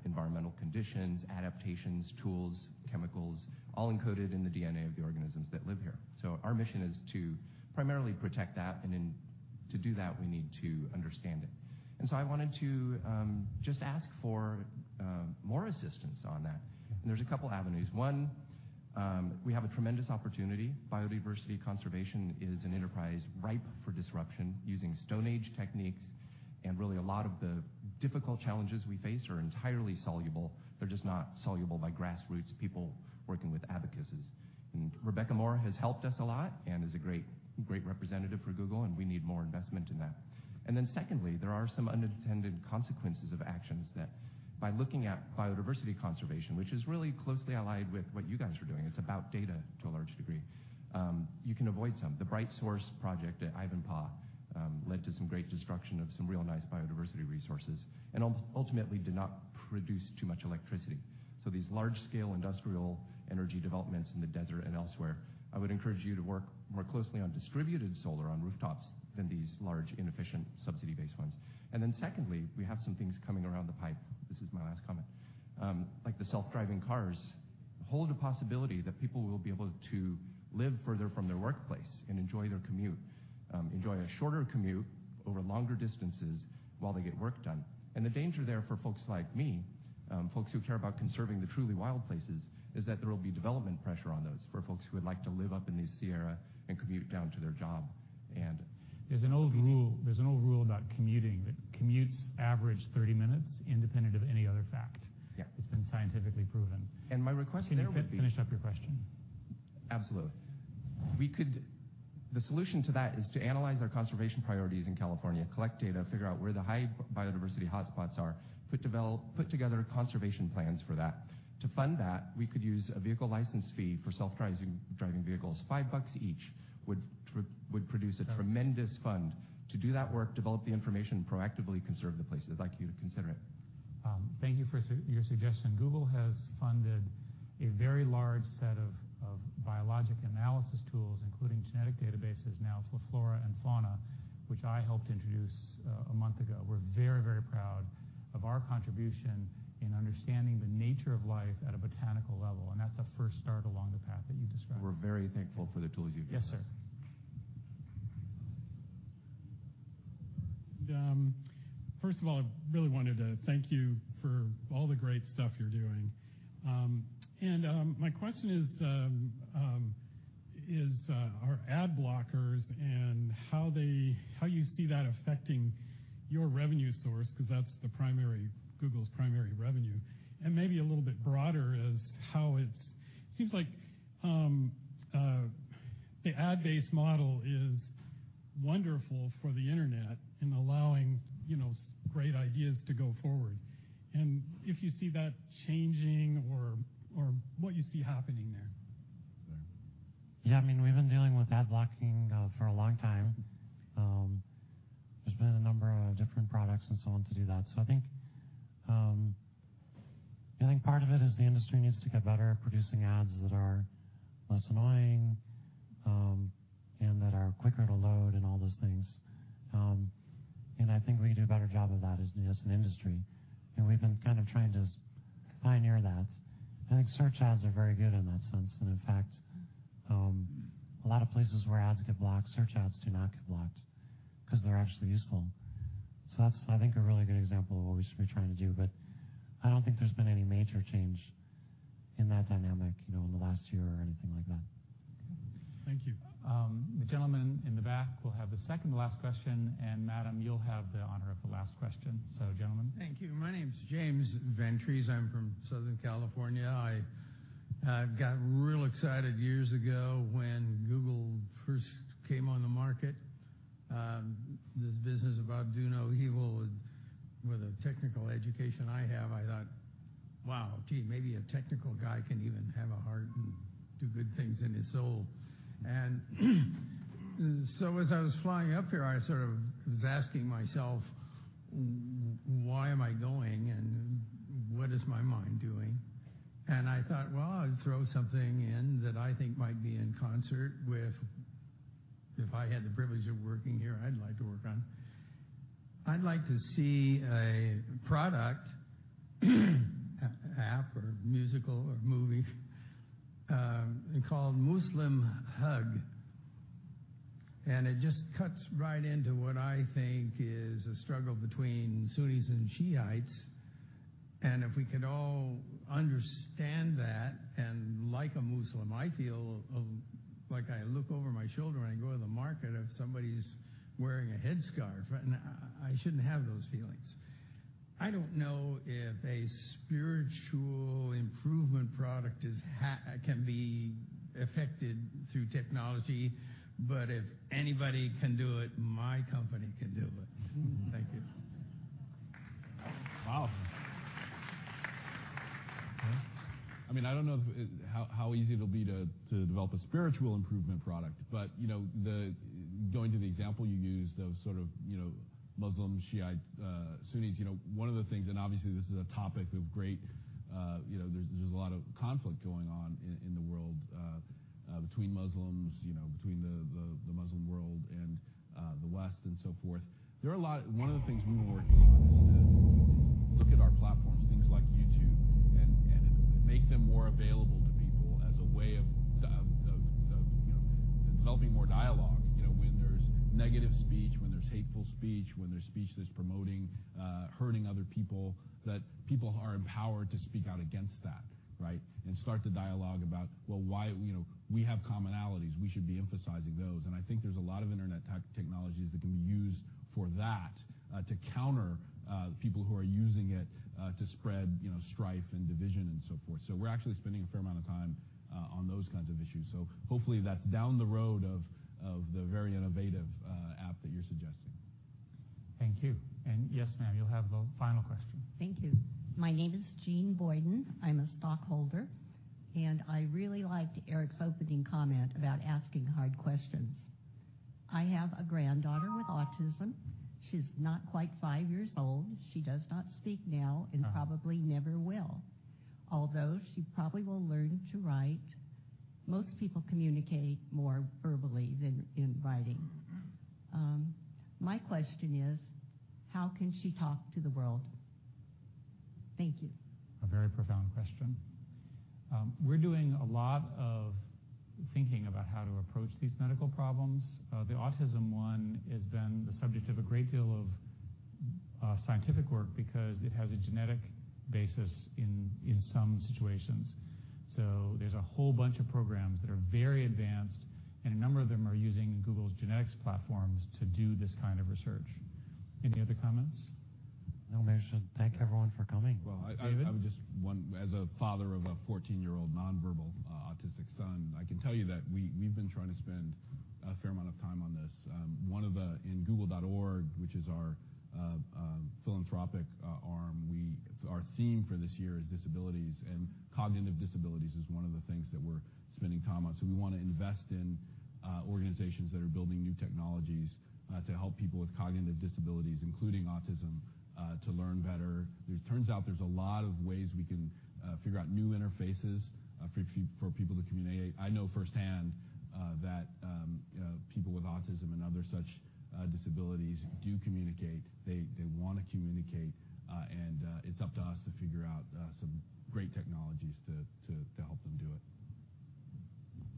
environmental conditions, adaptations, tools, chemicals, all encoded in the DNA of the organisms that live here. Our mission is to primarily protect that, and to do that, we need to understand it. I wanted to just ask for more assistance on that. There's a couple of avenues. One, we have a tremendous opportunity. Biodiversity conservation is an enterprise ripe for disruption using Stone Age techniques. Really, a lot of the difficult challenges we face are entirely soluble. They're just not solvable by grassroots people working with abacuses. And Rebecca Moore has helped us a lot and is a great, great representative for Google, and we need more investment in that. And then secondly, there are some unintended consequences of actions that, by looking at biodiversity conservation, which is really closely allied with what you guys are doing, it's about data to a large degree, you can avoid some. The BrightSource project at Ivanpah led to some great destruction of some real nice biodiversity resources and ultimately did not produce too much electricity. So these large-scale industrial energy developments in the desert and elsewhere, I would encourage you to work more closely on distributed solar on rooftops than these large inefficient subsidy-based ones. And then secondly, we have some things coming down the pipe. This is my last comment. like the self-driving cars, hold the possibility that people will be able to live further from their workplace and enjoy their commute, enjoy a shorter commute over longer distances while they get work done. And the danger there for folks like me, folks who care about conserving the truly wild places, is that there will be development pressure on those for folks who would like to live up in the Sierra and commute down to their job and. There's an old rule about commuting that commutes average 30 minutes, independent of any other fact. Yeah. It's been scientifically proven. My request to you would be. Can you finish up your question? Absolutely. The solution to that is to analyze our conservation priorities in California, collect data, figure out where the high biodiversity hotspots are, put together conservation plans for that. To fund that, we could use a vehicle license fee for self-driving vehicles. $5 each would produce a tremendous fund to do that work, develop the information, proactively conserve the places. I'd like you to consider it. Thank you for your suggestion. Google has funded a very large set of biologic analysis tools, including genetic databases, now for flora and fauna, which I helped introduce, a month ago. We're very, very proud of our contribution in understanding the nature of life at a botanical level. And that's a first start along the path that you've described. We're very thankful for the tools you've given. Yes, sir. First of all, I really wanted to thank you for all the great stuff you're doing. My question is, are ad blockers and how you see that affecting your revenue source 'cause that's the primary Google's primary revenue. Maybe a little bit broader is how it seems like the ad-based model is wonderful for the internet in allowing, you know, so great ideas to go forward. And if you see that changing or what you see happening there. Yeah. I mean, we've been dealing with ad blocking for a long time. There's been a number of different products and so on to do that. So I think part of it is the industry needs to get better at producing ads that are less annoying, and that are quicker to load and all those things. And I think we can do a better job of that as an industry. And we've been kind of trying to pioneer that. I think search ads are very good in that sense. And in fact, a lot of places where ads get blocked, search ads do not get blocked 'cause they're actually useful. So that's, I think, a really good example of what we should be trying to do. But I don't think there's been any major change in that dynamic, you know, in the last year or anything like that. Okay. Thank you. The gentleman in the back will have the second to last question, and, Madam, you'll have the honor of the last question. So, gentlemen. Thank you. My name's James Ventries. I'm from Southern California. I got real excited years ago when Google first came on the market. This business of Don't be evil with the technical education I have, I thought, "Wow, gee, maybe a technical guy can even have a heart and do good things in his soul." And so as I was flying up here, I sort of was asking myself, "Why am I going? And what is my mind doing?" And I thought, "Well, I'll throw something in that I think might be in concert with if I had the privilege of working here, I'd like to work on. I'd like to see a product, an app or musical or movie, called Muslim Hug. And it just cuts right into what I think is a struggle between Sunnis and Shiites. If we could all understand that and like a Muslim, I feel like I look over my shoulder and I go to the market if somebody's wearing a headscarf. And I, I shouldn't have those feelings. I don't know if a spiritual improvement product is can be affected through technology, but if anybody can do it, my company can do it. Thank you. Wow. I mean, I don't know if it's how easy it'll be to develop a spiritual improvement product. But you know, then going to the example you used of sort of, you know, Muslim, Shiite, Sunnis, you know, one of the things and obviously this is a topic of great, you know, there's a lot of conflict going on in the world between Muslims, you know, between the Muslim world and the West and so forth. One of the things we've been working on is to look at our platforms, things like YouTube, and make them more available to people as a way of you know developing more dialogue you know when there's negative speech, when there's hateful speech, when there's speech that's promoting hurting other people, that people are empowered to speak out against that, right, and start the dialogue about, "Well, why, you know, we have commonalities. We should be emphasizing those." And I think there's a lot of internet technologies that can be used for that, to counter people who are using it to spread you know strife and division and so forth. So we're actually spending a fair amount of time on those kinds of issues. So hopefully that's down the road of the very innovative app that you're suggesting. Thank you. Yes, ma'am, you'll have the final question. Thank you. My name is Jean Boyden. I'm a stockholder, and I really liked Eric's opening comment about asking hard questions. I have a granddaughter with autism. She's not quite five years old. She does not speak now and probably never will, although she probably will learn to write. Most people communicate more verbally than in writing. My question is, how can she talk to the world? Thank you. A very profound question. We're doing a lot of thinking about how to approach these medical problems. The autism one has been the subject of a great deal of scientific work because it has a genetic basis in some situations. So there's a whole bunch of programs that are very advanced, and a number of them are using Google's genetics platforms to do this kind of research. Any other comments? No, man. Thank everyone for coming. Well, I would. David? I would just one as a father of a 14-year-old nonverbal, autistic son. I can tell you that we, we've been trying to spend a fair amount of time on this. One of the in Google.org, which is our philanthropic arm, our theme for this year is disabilities. Cognitive disabilities is one of the things that we're spending time on. So we wanna invest in organizations that are building new technologies to help people with cognitive disabilities, including autism, to learn better. It turns out there's a lot of ways we can figure out new interfaces for people to communicate. I know firsthand that people with autism and other such disabilities do communicate. They wanna communicate, and it's up to us to figure out some great technologies to help them do it.